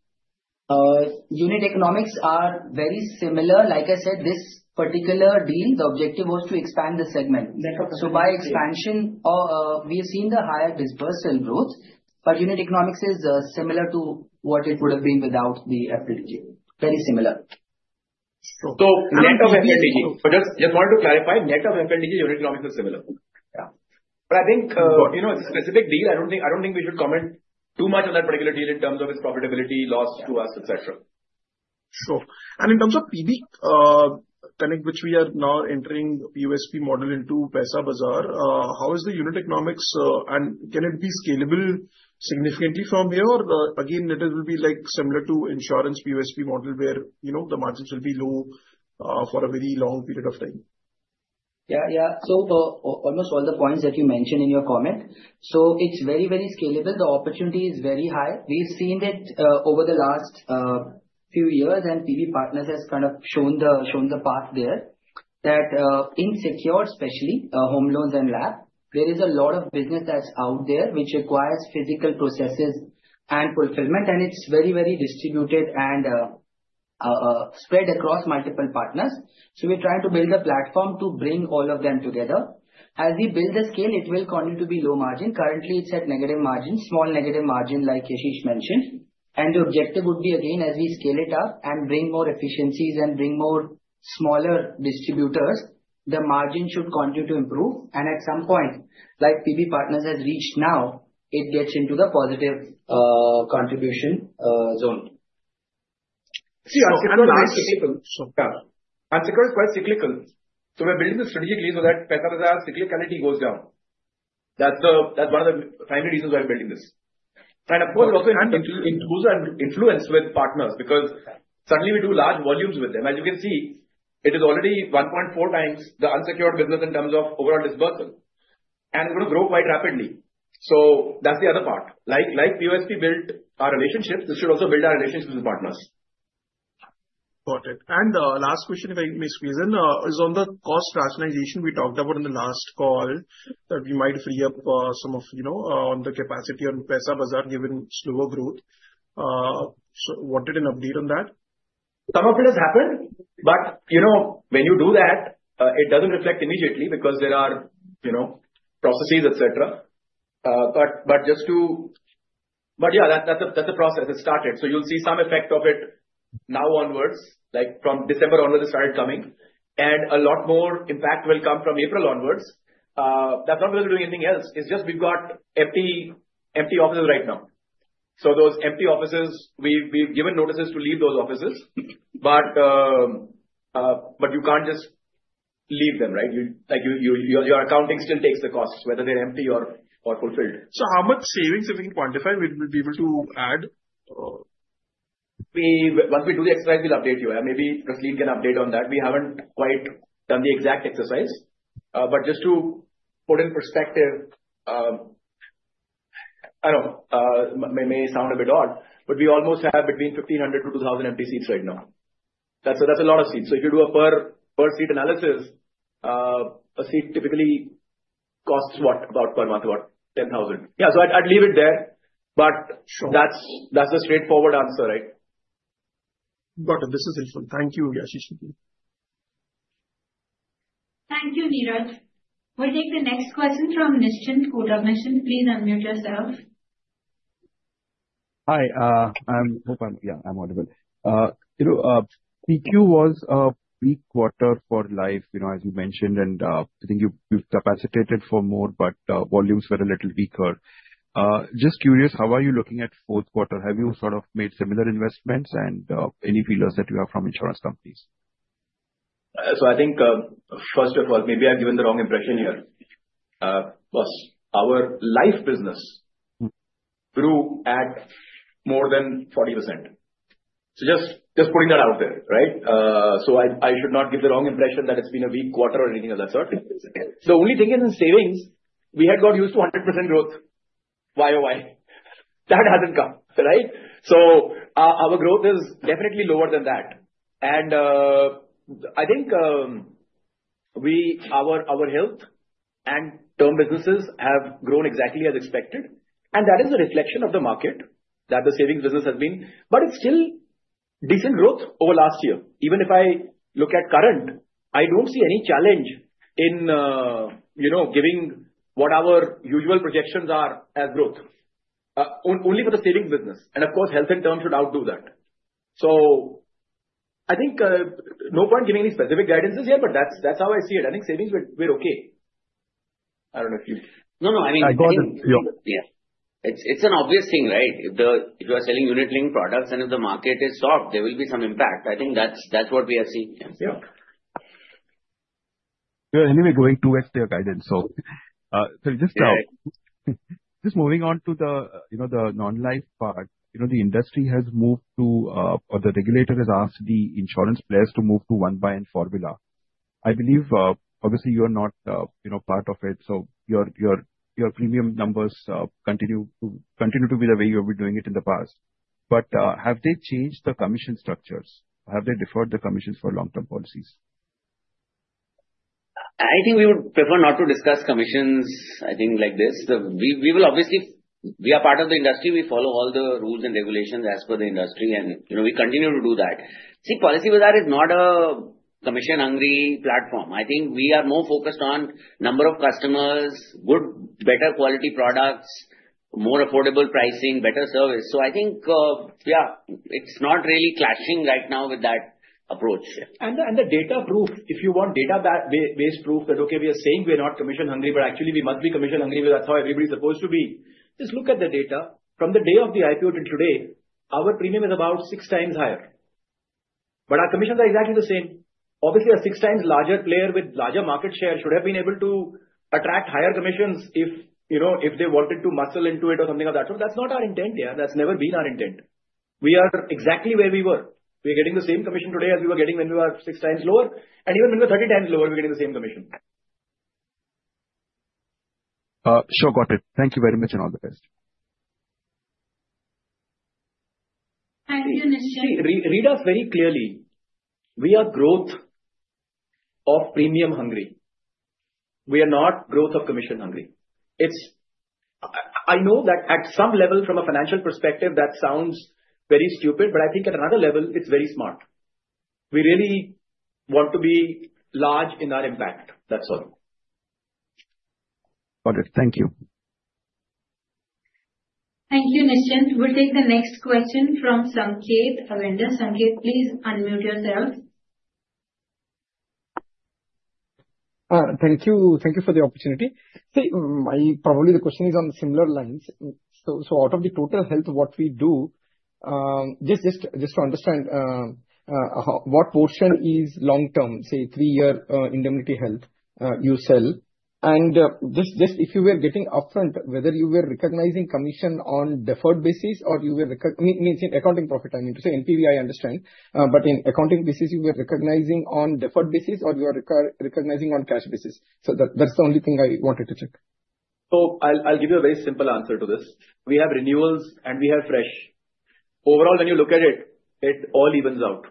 Unit economics are very similar. Like I said, this particular deal, the objective was to expand the segment. So by expansion, we have seen the higher disbursal growth, but unit economics is similar to what it would have been without the FLDG. Very similar. Net of FLDG. Just wanted to clarify, net of FLDG, unit economics is similar. But I think the specific deal, I don't think we should comment too much on that particular deal in terms of its profitability, loss to us, etc. Sure. And in terms of PB Connect, which we are now entering POSP model into Paisabazaar, how is the unit economics and can it be scalable significantly from here? Or again, it will be similar to insurance POSP model where the margin should be low for a very long period of time? Yeah, yeah. So almost all the points that you mentioned in your comment. So it's very, very scalable. The opportunity is very high. We've seen it over the last few years, and PB Partners has kind of shown the path there that in secured, especially home loans and LAP, there is a lot of business that's out there which requires physical processes and fulfillment, and it's very, very distributed and spread across multiple partners. So we're trying to build a platform to bring all of them together. As we build the scale, it will continue to be low margin. Currently, it's at negative margin, small negative margin, like Yashish mentioned. And the objective would be, again, as we scale it up and bring more efficiencies and bring more smaller distributors, the margin should continue to improve. At some point, like PB Partners has reached now, it gets into the positive contribution zone. See, and the risk is cyclical. And secured is quite cyclical. So we're building this strategically so that Paisabazaar cyclicality goes down. That's one of the primary reasons why we're building this. And of course, it also includes influence with partners because suddenly we do large volumes with them. As you can see, it is already 1.4 times the unsecured business in terms of overall disbursal. And it's going to grow quite rapidly. So that's the other part. Like POSP built our relationships, this should also build our relationships with partners. Got it. And the last question, if I may squeeze in, is on the cost rationalization we talked about in the last call that we might free up some of the capacity on Paisabazaar given slower growth. So wanted an update on that? Some of it has happened. But when you do that, it doesn't reflect immediately because there are processes, etc. But yeah, that's a process. It started. So you'll see some effect of it now onwards, from December onwards it started coming. And a lot more impact will come from April onwards. That's not because we're doing anything else. It's just we've got empty offices right now. So those empty offices, we've given notices to leave those offices. But you can't just leave them, right? Your accounting still takes the costs, whether they're empty or fulfilled. So how much savings if we can quantify, we'll be able to add? Once we do the exercise, we'll update you. Maybe Rasleen can update on that. We haven't quite done the exact exercise. But just to put in perspective, I know it may sound a bit odd, but we almost have between 1,500-2,000 empty seats right now. That's a lot of seats. So if you do a per seat analysis, a seat typically costs what, about per month, about 10,000. Yeah. So I'd leave it there. But that's the straightforward answer, right? Got it. This is helpful. Thank you, Yashish. Thank you, Neeraj. We'll take the next question from Nischint, Kotak. Nischint, please unmute yourself. Hi. I hope I'm audible. 3Q was a weak quarter for life, as you mentioned, and I think you've capacitated for more, but volumes were a little weaker. Just curious, how are you looking at fourth quarter? Have you sort of made similar investments and any feelers that you have from insurance companies? So I think, first of all, maybe I've given the wrong impression here. Our life business grew at more than 40%. So just putting that out there, right? So I should not give the wrong impression that it's been a weak quarter or anything of that sort. The only thing is in savings, we had got used to 100% growth YOY. That hasn't come, right? So our growth is definitely lower than that. And I think our health and term businesses have grown exactly as expected. And that is a reflection of the market that the savings business has been. But it's still decent growth over last year. Even if I look at current, I don't see any challenge in giving what our usual projections are as growth, only for the savings business. And of course, health and terms should outdo that. So I think no point giving any specific guidances here, but that's how I see it. I think savings, we're okay. I don't know if you. No, no. I mean. It's an obvious thing, right? If you are selling unit-linked products and if the market is soft, there will be some impact. I think that's what we have seen. Yeah. We are anyway going too much to your guidance. So just moving on to the non-life part, the industry has moved to, or the regulator has asked the insurance players to move to one-by-one formula. I believe, obviously, you are not part of it. So your premium numbers continue to be the way you have been doing it in the past. But have they changed the commission structures? Have they deferred the commissions for long-term policies? I think we would prefer not to discuss commissions, I think, like this. We are part of the industry. We follow all the rules and regulations as per the industry, and we continue to do that. See, Policybazaar is not a commission-hungry platform. I think we are more focused on number of customers, better quality products, more affordable pricing, better service. So I think, yeah, it's not really clashing right now with that approach. And the data proof, if you want data-based proof that, okay, we are saying we are not commission-hungry, but actually we must be commission-hungry because that's how everybody's supposed to be. Just look at the data. From the day of the IPO till today, our premium is about six times higher. But our commissions are exactly the same. Obviously, a six times larger player with larger market share should have been able to attract higher commissions if they wanted to muscle into it or something of that sort. That's not our intent, yeah. That's never been our intent. We are exactly where we were. We are getting the same commission today as we were getting when we were six times lower. And even when we were 30 times lower, we're getting the same commission. Sure. Got it. Thank you very much and all the best. Thank you, Nischint. See, read us very clearly. We are growth of premium-hungry. We are not growth of commission-hungry. I know that at some level, from a financial perspective, that sounds very stupid, but I think at another level, it's very smart. We really want to be large in our impact. That's all. Got it. Thank you. Thank you, Nischint. We'll take the next question from Sanketh, Avendus. Sanketh, please unmute yourself. Thank you for the opportunity. See, probably the question is on similar lines. So out of the total health, what we do, just to understand what portion is long-term, say, three-year indemnity health you sell. And just if you were getting upfront, whether you were recognizing commission on deferred basis or you were accounting profit, I mean to say, NPV, I understand. But in accounting basis, you were recognizing on deferred basis or you are recognizing on cash basis. So that's the only thing I wanted to check. So I'll give you a very simple answer to this. We have renewals and we have fresh. Overall, when you look at it, it all evens out.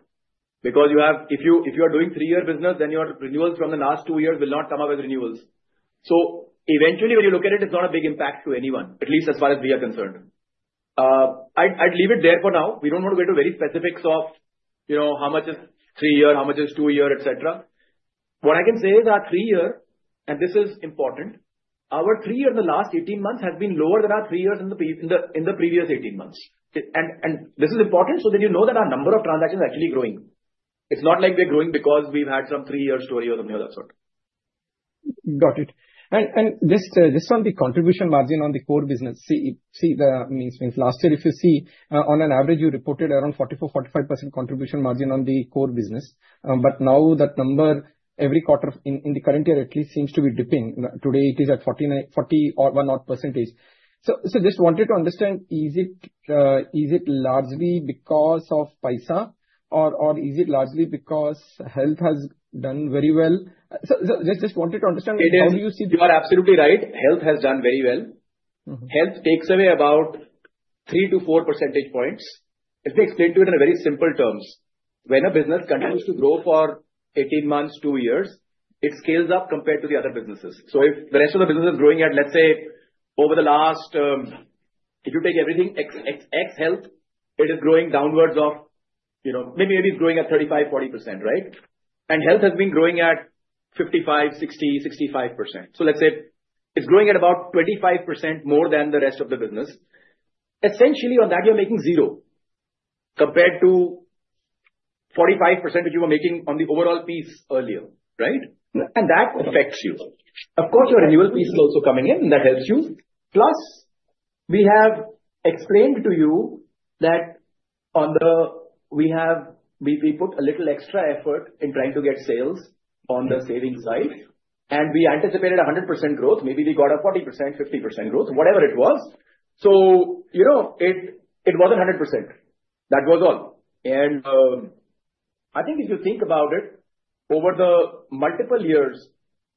Because if you are doing three-year business, then your renewals from the last two years will not come up as renewals. So eventually, when you look at it, it's not a big impact to anyone, at least as far as we are concerned. I'd leave it there for now. We don't want to go into very specifics of how much is three-year, how much is two-year, etc. What I can say is our three-year, and this is important, our three-year in the last 18 months has been lower than our three-years in the previous 18 months. And this is important so that you know that our number of transactions is actually growing. It's not like we're growing because we've had some three-year story or something of that sort. Got it. And just on the contribution margin on the core business, see, the mean last year, if you see, on an average, you reported around 44-45% contribution margin on the core business. But now that number, every quarter in the current year, at least, seems to be dipping. Today, it is at 40% or so. So just wanted to understand, is it largely because of Paisa or is it largely because health has done very well? So just wanted to understand how you see it. You are absolutely right. Health has done very well. Health takes away about three to four percentage points. Let me explain to it in very simple terms. When a business continues to grow for 18 months, two years, it scales up compared to the other businesses. So if the rest of the business is growing at, let's say, over the last, if you take everything ex-health, it is growing downwards of, maybe it's growing at 35%-40%, right? And health has been growing at 55%-65%. So let's say it's growing at about 25% more than the rest of the business. Essentially, on that, you're making zero compared to 45%, which you were making on the overall piece earlier, right? And that affects you. Of course, your renewal piece is also coming in, and that helps you. Plus, we have explained to you that we put a little extra effort in trying to get sales on the savings side. And we anticipated 100% growth. Maybe we got a 40%, 50% growth, whatever it was. So it wasn't 100%. That was all. And I think if you think about it, over the multiple years,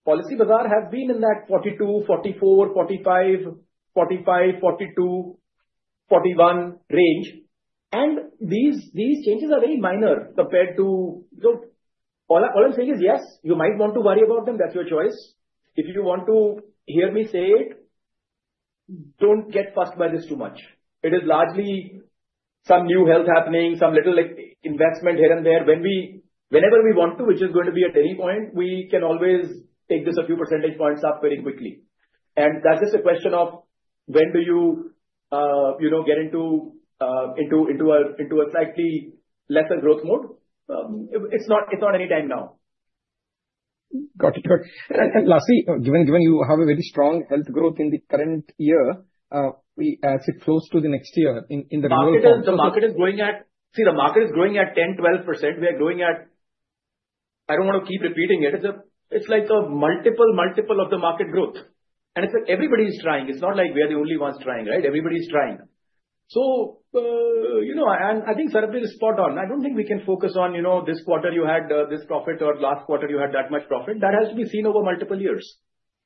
Policybazaar has been in that 42, 44, 45, 45, 42, 41 range. And these changes are very minor compared to all I'm saying is, yes, you might want to worry about them. That's your choice. If you want to hear me say it, don't get fussed by this too much. It is largely some new health happening, some little investment here and there. Whenever we want to, which is going to be a key point, we can always take this a few percentage points up very quickly. That's just a question of when do you get into a slightly lesser growth mode? It's not any time now. Got it. And lastly, given you have a very strong health growth in the current year, as it flows to the next year in the reverse direction. The market is growing at, see, the market is growing at 10%-12%. We are growing at, I don't want to keep repeating it. It's like a multiple, multiple of the market growth. And it's like everybody is trying. It's not like we are the only ones trying, right? Everybody is trying. So I think Sarbvir is spot on. I don't think we can focus on this quarter you had this profit or last quarter you had that much profit. That has to be seen over multiple years.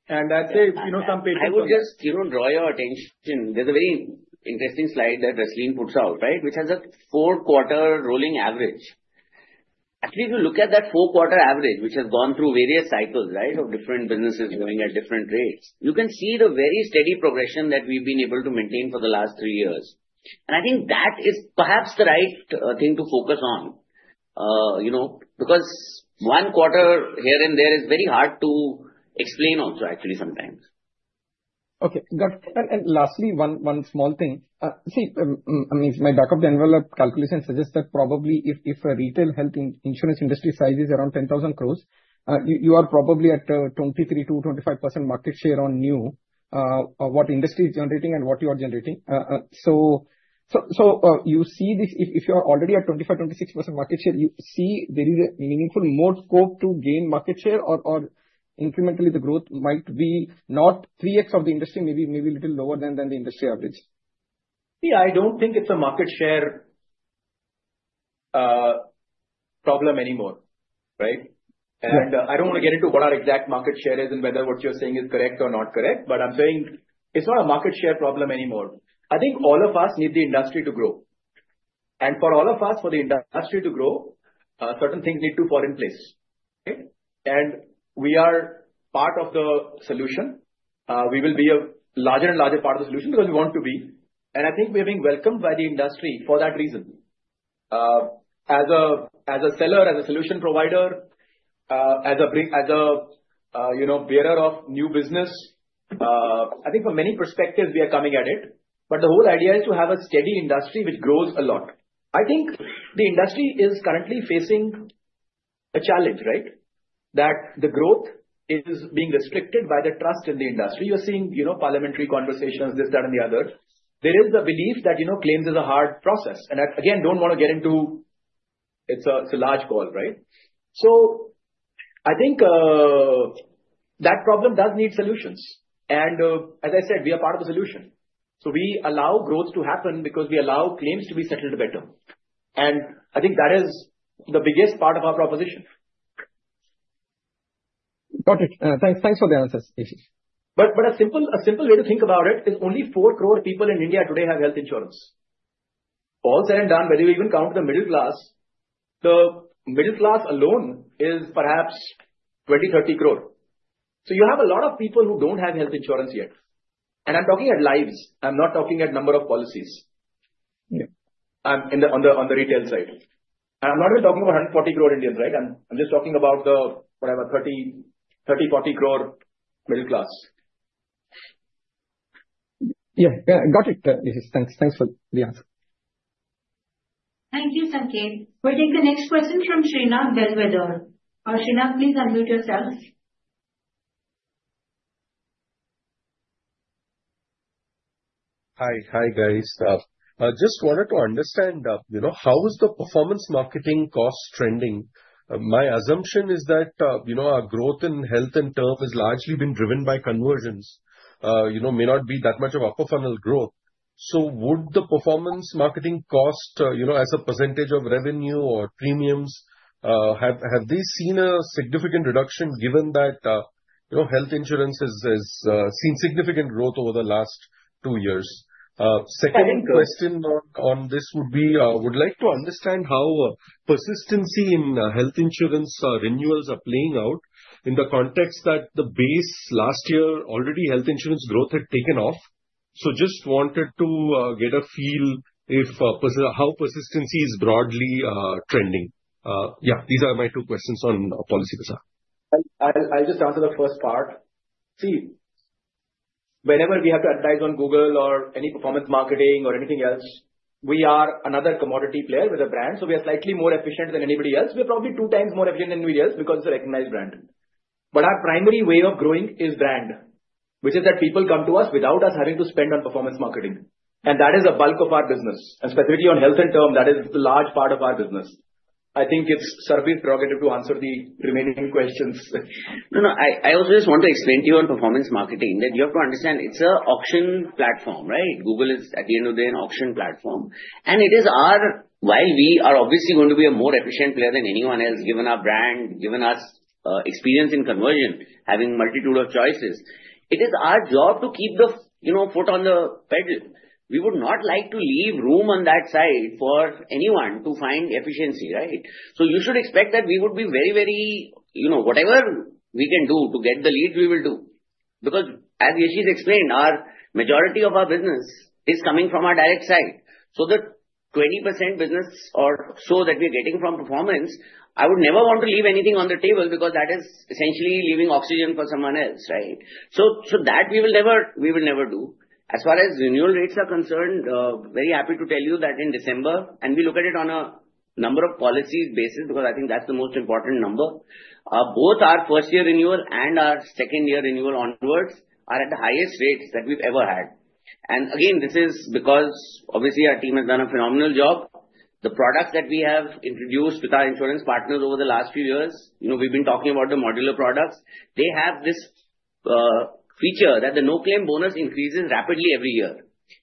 And I'd say. [AUDIO DISTORTION] I would just draw your attention. There's a very interesting slide that Rasleen puts out, right, which has a four-quarter rolling average. Actually, if you look at that four-quarter average, which has gone through various cycles, right, of different businesses going at different rates, you can see the very steady progression that we've been able to maintain for the last three years. And I think that is perhaps the right thing to focus on. Because one quarter here and there is very hard to explain also, actually, sometimes. Okay. Got it. And lastly, one small thing. See, my back-of-the-envelope calculation suggests that probably if a retail health insurance industry size is around 10,000 crores, you are probably at 23%-25% market share on new, what industry is generating and what you are generating. So you see this, if you are already at 25%-26% market share, you see there is a meaningful more scope to gain market share or incrementally, the growth might be not 3x of the industry, maybe a little lower than the industry average. See, I don't think it's a market share problem anymore, right? And I don't want to get into what our exact market share is and whether what you're saying is correct or not correct. But I'm saying it's not a market share problem anymore. I think all of us need the industry to grow. And for all of us, for the industry to grow, certain things need to fall in place. And we are part of the solution. We will be a larger and larger part of the solution because we want to be. And I think we are being welcomed by the industry for that reason. As a seller, as a solution provider, as a bearer of new business, I think from many perspectives, we are coming at it. But the whole idea is to have a steady industry which grows a lot. I think the industry is currently facing a challenge, right, that the growth is being restricted by the trust in the industry. You're seeing parliamentary conversations, this, that, and the other. There is the belief that claims is a hard process. And again, don't want to get into it's a large call, right? So I think that problem does need solutions. And as I said, we are part of the solution. So we allow growth to happen because we allow claims to be settled better. And I think that is the biggest part of our proposition. Got it. Thanks for the answers. But a simple way to think about it is only four crore people in India today have health insurance. All said and done, whether you even count the middle class, the middle class alone is perhaps 20-30 crore. So you have a lot of people who don't have health insurance yet. And I'm talking about lives. I'm not talking about number of policies. I'm on the retail side. And I'm not even talking about 140 crore Indians, right? I'm just talking about the, whatever, 30-40 crore middle class. Yeah. Got it. Thanks for the answer. Thank you, Sanketh. We'll take the next question from Srinath, Bellwether. Srinath, please unmute yourself. Hi, hi guys. Just wanted to understand how is the performance marketing cost trending? My assumption is that our growth in health insurance terms has largely been driven by conversions. May not be that much of upper funnel growth. So would the performance marketing cost as a percentage of revenue or premiums, have they seen a significant reduction given that health insurance has seen significant growth over the last two years? Second question on this would be, I would like to understand how persistency in health insurance renewals are playing out in the context that the base last year already health insurance growth had taken off. So just wanted to get a feel if how persistency is broadly trending. Yeah, these are my two questions on Policybazaar. I'll just answer the first part. See, whenever we have to advertise on Google or any performance marketing or anything else, we are another commodity player with a brand. So we are slightly more efficient than anybody else. We are probably two times more efficient than anybody else because it's a recognized brand. But our primary way of growing is brand, which is that people come to us without us having to spend on performance marketing. And that is a bulk of our business. And specifically on health and term, that is a large part of our business. I think it's Sarbvir's prerogative to answer the remaining questions. No, no. I also just want to explain to you on performance marketing that you have to understand it's an auction platform, right? Google is, at the end of the day, an auction platform, and it is our, while we are obviously going to be a more efficient player than anyone else, given our brand, given our experience in conversion, having a multitude of choices, it is our job to keep the foot on the pedal. We would not like to leave room on that side for anyone to find efficiency, right, so you should expect that we would be very, very whatever we can do to get the leads, we will do. Because as Yashish explained, our majority of our business is coming from our direct side. The 20% business or so that we are getting from performance, I would never want to leave anything on the table because that is essentially leaving oxygen for someone else, right? We will never do that. As far as renewal rates are concerned, very happy to tell you that in December and we look at it on a number of policies basis because I think that's the most important number. Both our first-year renewal and our second-year renewal onwards are at the highest rates that we've ever had, and again this is because obviously our team has done a phenomenal job. The products that we have introduced with our insurance partners over the last few years, we've been talking about the modular products, they have this feature that the no-claim bonus increases rapidly every year.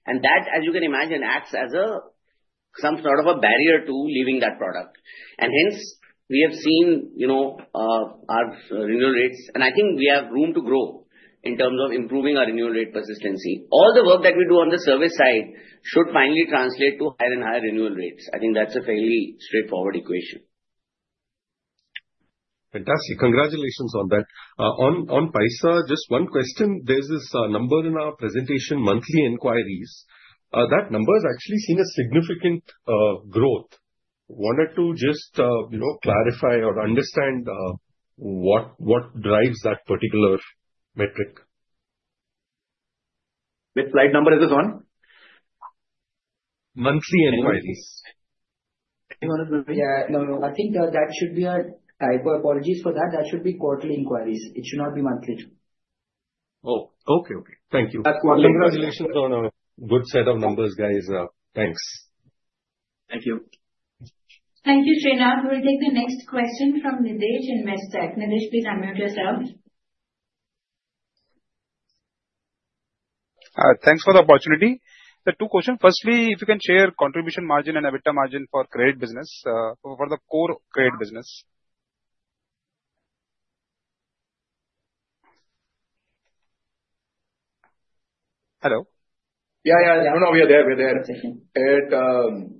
That, as you can imagine, acts as some sort of a barrier to leaving that product. Hence, we have seen our renewal rates, and I think we have room to grow in terms of improving our renewal rate persistency. All the work that we do on the service side should finally translate to higher and higher renewal rates. I think that's a fairly straightforward equation. Fantastic. Congratulations on that. On Paisa, just one question. There's this number in our presentation, monthly inquiries. That number has actually seen a significant growth. Wanted to just clarify or understand what drives that particular metric. Which slide number is this on? Monthly inquiries. Yeah. No, no. I think that should be a typo. Apologies for that. That should be quarterly inquiries. It should not be monthly. Oh, okay, okay. Thank you. Congratulations on a good set of numbers, guys. Thanks. Thank you. Thank you, Srinath. We'll take the next question from Nidesh in Investec. Nidesh, please unmute yourself. Thanks for the opportunity. There are two questions. Firstly, if you can share contribution margin and EBITDA margin for credit business, for the core credit business? Hello? Yeah, yeah. No, no, we are there. We are there.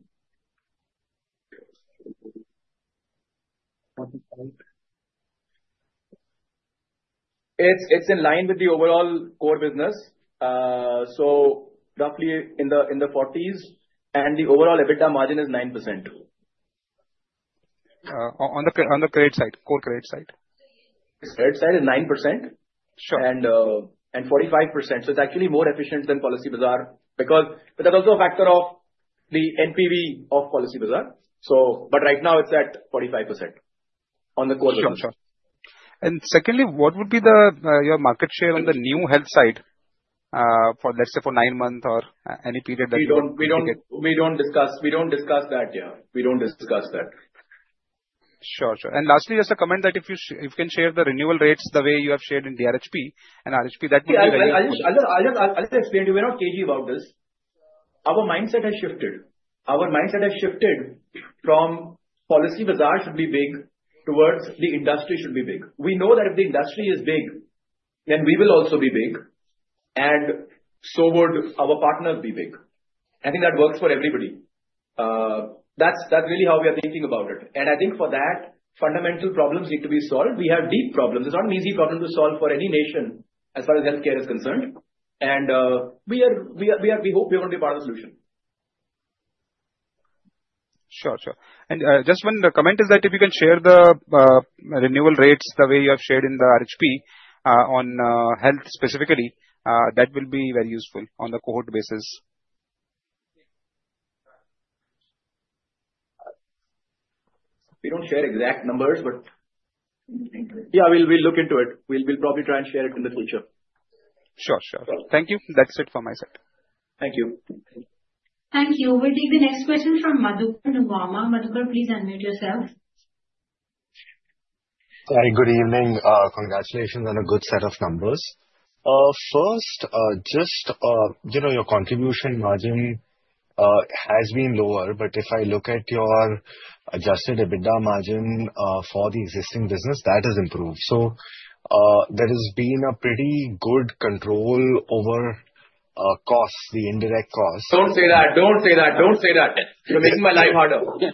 It's in line with the overall core business. So roughly in the 40s, and the overall EBITDA margin is 9%. On the credit side, core credit side. Credit side is 9% and 45%. So it's actually more efficient than Policybazaar because there's also a factor of the NPV of Policybazaar. But right now, it's at 45% on the core business. Sure, sure. And secondly, what would be your market share on the new health side for, let's say, for nine months or any period that you can get? We don't discuss that, yeah. We don't discuss that. Sure, sure. And lastly, just a comment that if you can share the renewal rates the way you have shared in DRHP and RHP, that would be very helpful. I'll just explain. You may not know about this. Our mindset has shifted. Our mindset has shifted from Policybazaar should be big towards the industry should be big. We know that if the industry is big, then we will also be big. And so would our partners be big. I think that works for everybody. That's really how we are thinking about it. And I think for that, fundamental problems need to be solved. We have deep problems. It's not an easy problem to solve for any nation as far as healthcare is concerned. And we hope we are going to be part of the solution. Sure, sure, and just one comment is that if you can share the renewal rates the way you have shared in the RHP on health specifically, that will be very useful on the cohort basis. We don't share exact numbers, but yeah, we'll look into it. We'll probably try and share it in the future. Sure, sure. Thank you. That's it for my side. Thank you. Thank you. We'll take the next question from Madhukar, Nuvama. Madhukar, please unmute yourself. Hi, good evening. Congratulations on a good set of numbers. First, just your contribution margin has been lower, but if I look at your adjusted EBITDA margin for the existing business, that has improved. So there has been a pretty good control over costs, the indirect costs. Don't say that. Don't say that. Don't say that. You're making my life harder. Okay.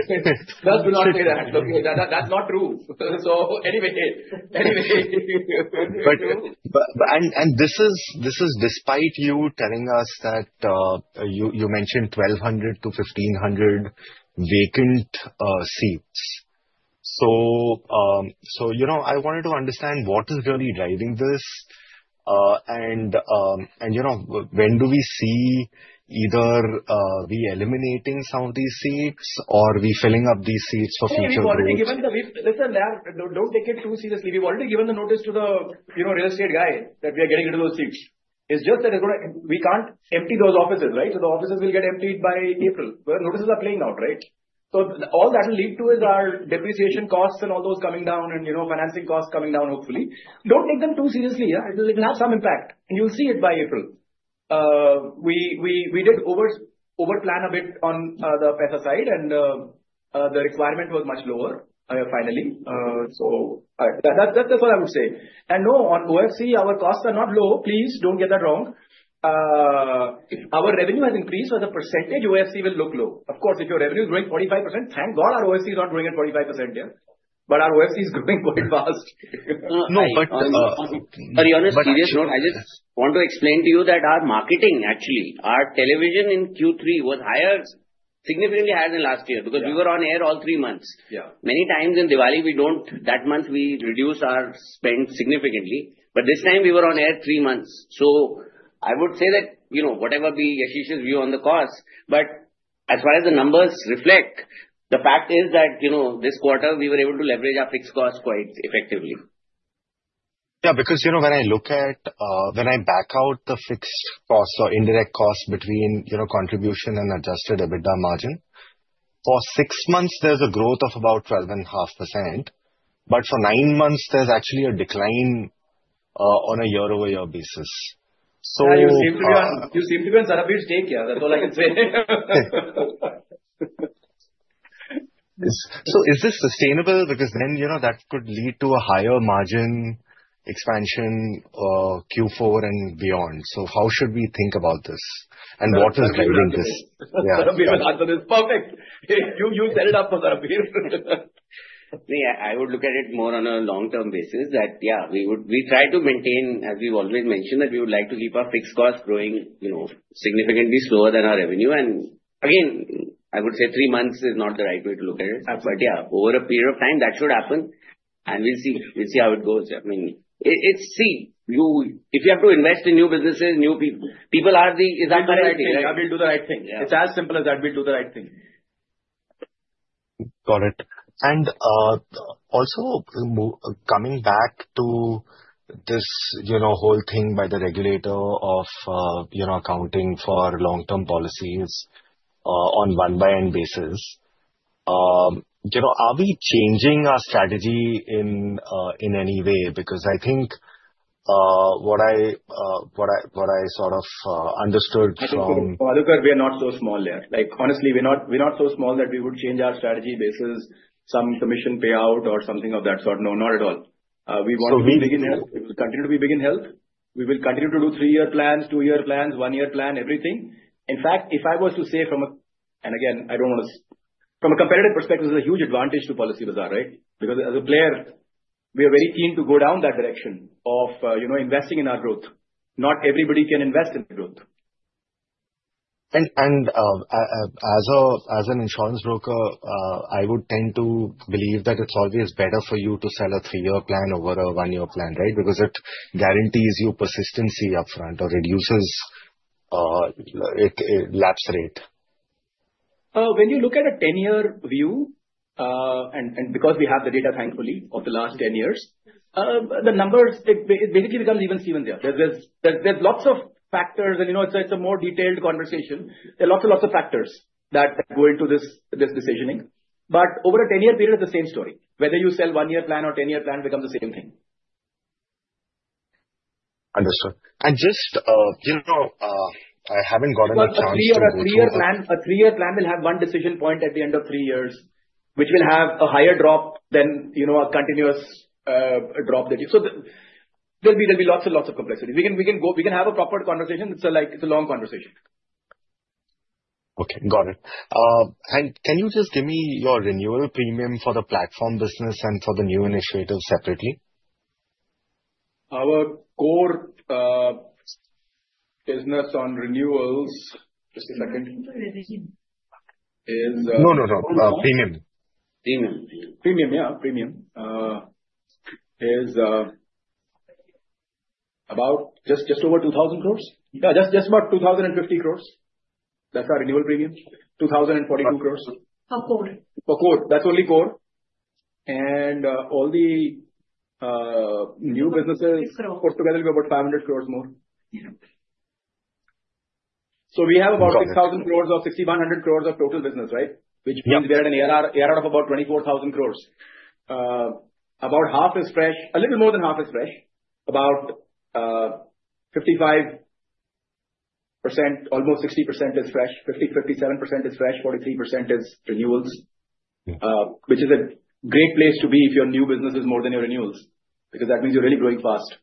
Just do not say that. Okay. That's not true. So anyway, anyway. And this is despite you telling us that you mentioned 1,200-1,500 vacant seats. So I wanted to understand what is really driving this and when do we see either we eliminating some of these seats or we filling up these seats for future growth? Listen, don't take it too seriously. We've already given the notice to the real estate guy that we are getting rid of those seats. It's just that we can't empty those offices, right? So the offices will get emptied by April. The notices are playing out, right? So all that will lead to is our depreciation costs and all those coming down and financing costs coming down, hopefully. Don't take them too seriously. It'll have some impact, and you'll see it by April. We did overplan a bit on the Paisa side, and the requirement was much lower finally. So that's what I would say, and no, on OFC, our costs are not low. Please don't get that wrong. Our revenue has increased, but the percentage OFC will look low. Of course, if your revenue is growing 45%, thank God our OFC is not growing at 45%, yeah? But our OFC is growing quite fast. [CROSSTALK] But to be honest, I just want to explain to you that our marketing, actually, our television in Q3 was significantly higher than last year because we were on air all three months. Many times in Diwali, that month, we reduce our spend significantly. But this time, we were on air three months. So I would say that whatever be Yashish's view on the cost, but as far as the numbers reflect, the fact is that this quarter, we were able to leverage our fixed costs quite effectively. Yeah, because when I look at when I back out the fixed costs or indirect costs between contribution and adjusted EBITDA margin, for six months, there's a growth of about 12.5%. But for nine months, there's actually a decline on a year-over-year basis. So. You seem to be on Sarbvir's take, yeah. That's all I can say. So is this sustainable? Because then that could lead to a higher margin expansion Q4 and beyond. So how should we think about this? And what is driving this? Don't be able to answer this. Perfect. You set it up for Sarbvir. See, I would look at it more on a long-term basis that, yeah, we try to maintain, as we've always mentioned, that we would like to keep our fixed costs growing significantly slower than our revenue. And again, I would say three months is not the right way to look at it. But yeah, over a period of time, that should happen. And we'll see. We'll see how it goes. I mean, see, if you have to invest in new businesses, new people, people are the. Add will do the right thing. It's as simple as add will do the right thing. Got it. And also coming back to this whole thing by the regulator of accounting for long-term policies on one-by-one basis, are we changing our strategy in any way? Because I think what I sort of understood from. Madhukar, we are not so small there. Honestly, we're not so small that we would change our strategy basis some commission payout or something of that sort. No, not at all. We want to be big in health. We will continue to be big in health. We will continue to do three-year plans, two-year plans, one-year plan, everything. In fact, if I was to say from a - and again, I don't want to - from a competitive perspective, this is a huge advantage to Policybazaar, right? Because as a player, we are very keen to go down that direction of investing in our growth. Not everybody can invest in the growth. As an insurance broker, I would tend to believe that it's always better for you to sell a three-year plan over a one-year plan, right? Because it guarantees you persistency upfront or reduces its lapse rate. When you look at a 10-year view, and because we have the data, thankfully, of the last 10 years, the numbers basically become even seamless. There's lots of factors, and it's a more detailed conversation. There are lots and lots of factors that go into this decisioning. But over a 10-year period, it's the same story. Whether you sell a one-year plan or a 10-year plan, it becomes the same thing. Understood. And just I haven't gotten a chance to. A three-year plan will have one decision point at the end of three years, which will have a higher drop than a continuous drop that you—so there'll be lots and lots of complexity. We can have a proper conversation. It's a long conversation. Okay, got it. And can you just give me your renewal premium for the platform business and for the new initiative separately? Our core business on renewals. Just a second. [corsstalk]. Premium. Premium, yeah. Premium is about just over 2,000 crores. Yeah, just about 2,050 crores. That's our renewal premium. 2,042 crores. For core? For core. That's only core, and all the new businesses put together, we're about 500 crores more. So we have about 6,000 crores or 6,100 crores of total business, right? Which means we are at an ARR of about 24,000 crores. About half is fresh. A little more than half is fresh. About 55%, almost 60% is fresh. 57% is fresh. 43% is renewals, which is a great place to be if your new business is more than your renewals, because that means you're really growing fast.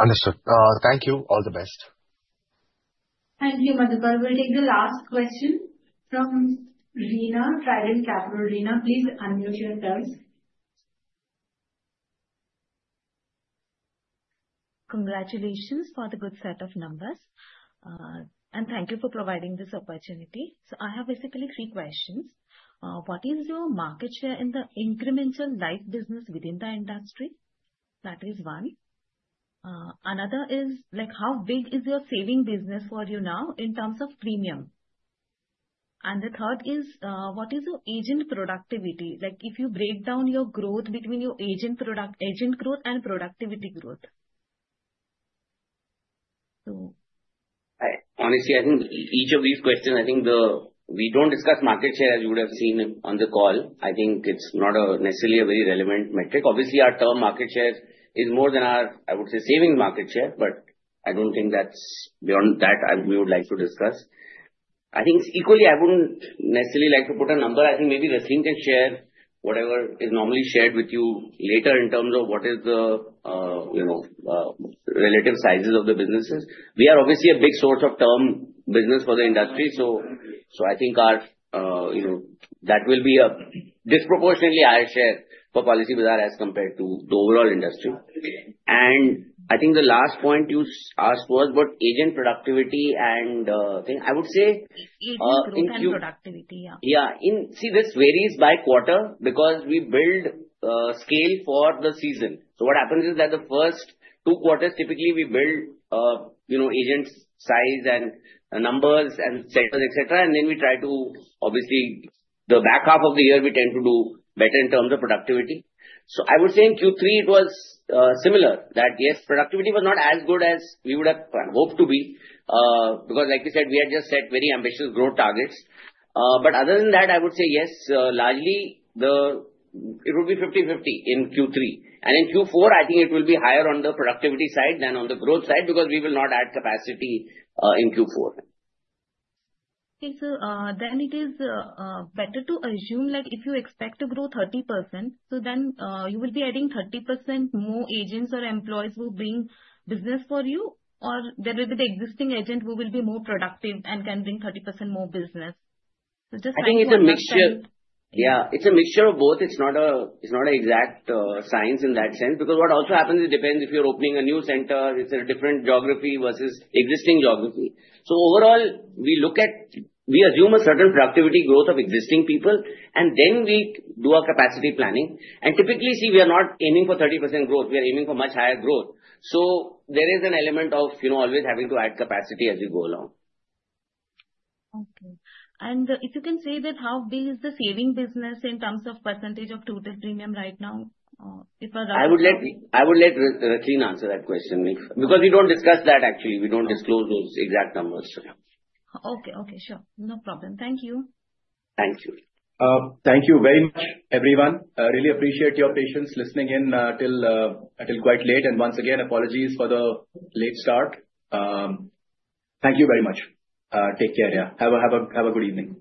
Understood. Thank you. All the best. Thank you, Madhukar. We'll take the last question from Rina, Trident Capital. Rina, please unmute yourself. Congratulations for the good set of numbers. And thank you for providing this opportunity. So I have basically three questions. What is your market share in the incremental life business within the industry? That is one. Another is how big is your savings business for you now in terms of premium? And the third is what is your agent productivity? If you break down your growth between your agent growth and productivity growth. Honestly, I think each of these questions, I think we don't discuss market share as you would have seen on the call. I think it's not necessarily a very relevant metric. Obviously, our term market share is more than our, I would say, saving market share, but I don't think that's beyond that we would like to discuss. I think equally, I wouldn't necessarily like to put a number. I think maybe Rasleen can share whatever is normally shared with you later in terms of what is the relative sizes of the businesses. We are obviously a big source of term business for the industry. So I think that will be a disproportionately higher share for Policybazaar as compared to the overall industry. And I think the last point you asked was what agent productivity and thing. I would say. Agent growth and productivity, yeah. Yeah. See, this varies by quarter because we build scale for the season. So what happens is that the first two quarters, typically, we build agent size and numbers and setup, etc. And then we try to obviously. The back half of the year, we tend to do better in terms of productivity. So I would say in Q3, it was similar that, yes, productivity was not as good as we would have hoped to be because, like you said, we had just set very ambitious growth targets. But other than that, I would say, yes, largely, it would be 50/50 in Q3. And in Q4, I think it will be higher on the productivity side than on the growth side because we will not add capacity in Q4. Okay. So then it is better to assume if you expect to grow 30%, so then you will be adding 30% more agents or employees who bring business for you, or there will be the existing agent who will be more productive and can bring 30% more business. So just. I think it's a mixture. Yeah, it's a mixture of both. It's not an exact science in that sense because what also happens is it depends if you're opening a new center, it's a different geography versus existing geography. So overall, we assume a certain productivity growth of existing people, and then we do our capacity planning. And typically, see, we are not aiming for 30% growth. We are aiming for much higher growth. So there is an element of always having to add capacity as we go along. Okay. And if you can say that, how big is the savings business in terms of percentage of total premium right now, if? I would let Rasleen answer that question because we don't discuss that, actually. We don't disclose those exact numbers. Okay. Okay. Sure. No problem. Thank you. Thank you. Thank you very much, everyone. Really appreciate your patience listening in till quite late, and once again, apologies for the late start. Thank you very much. Take care, yeah. Have a good evening.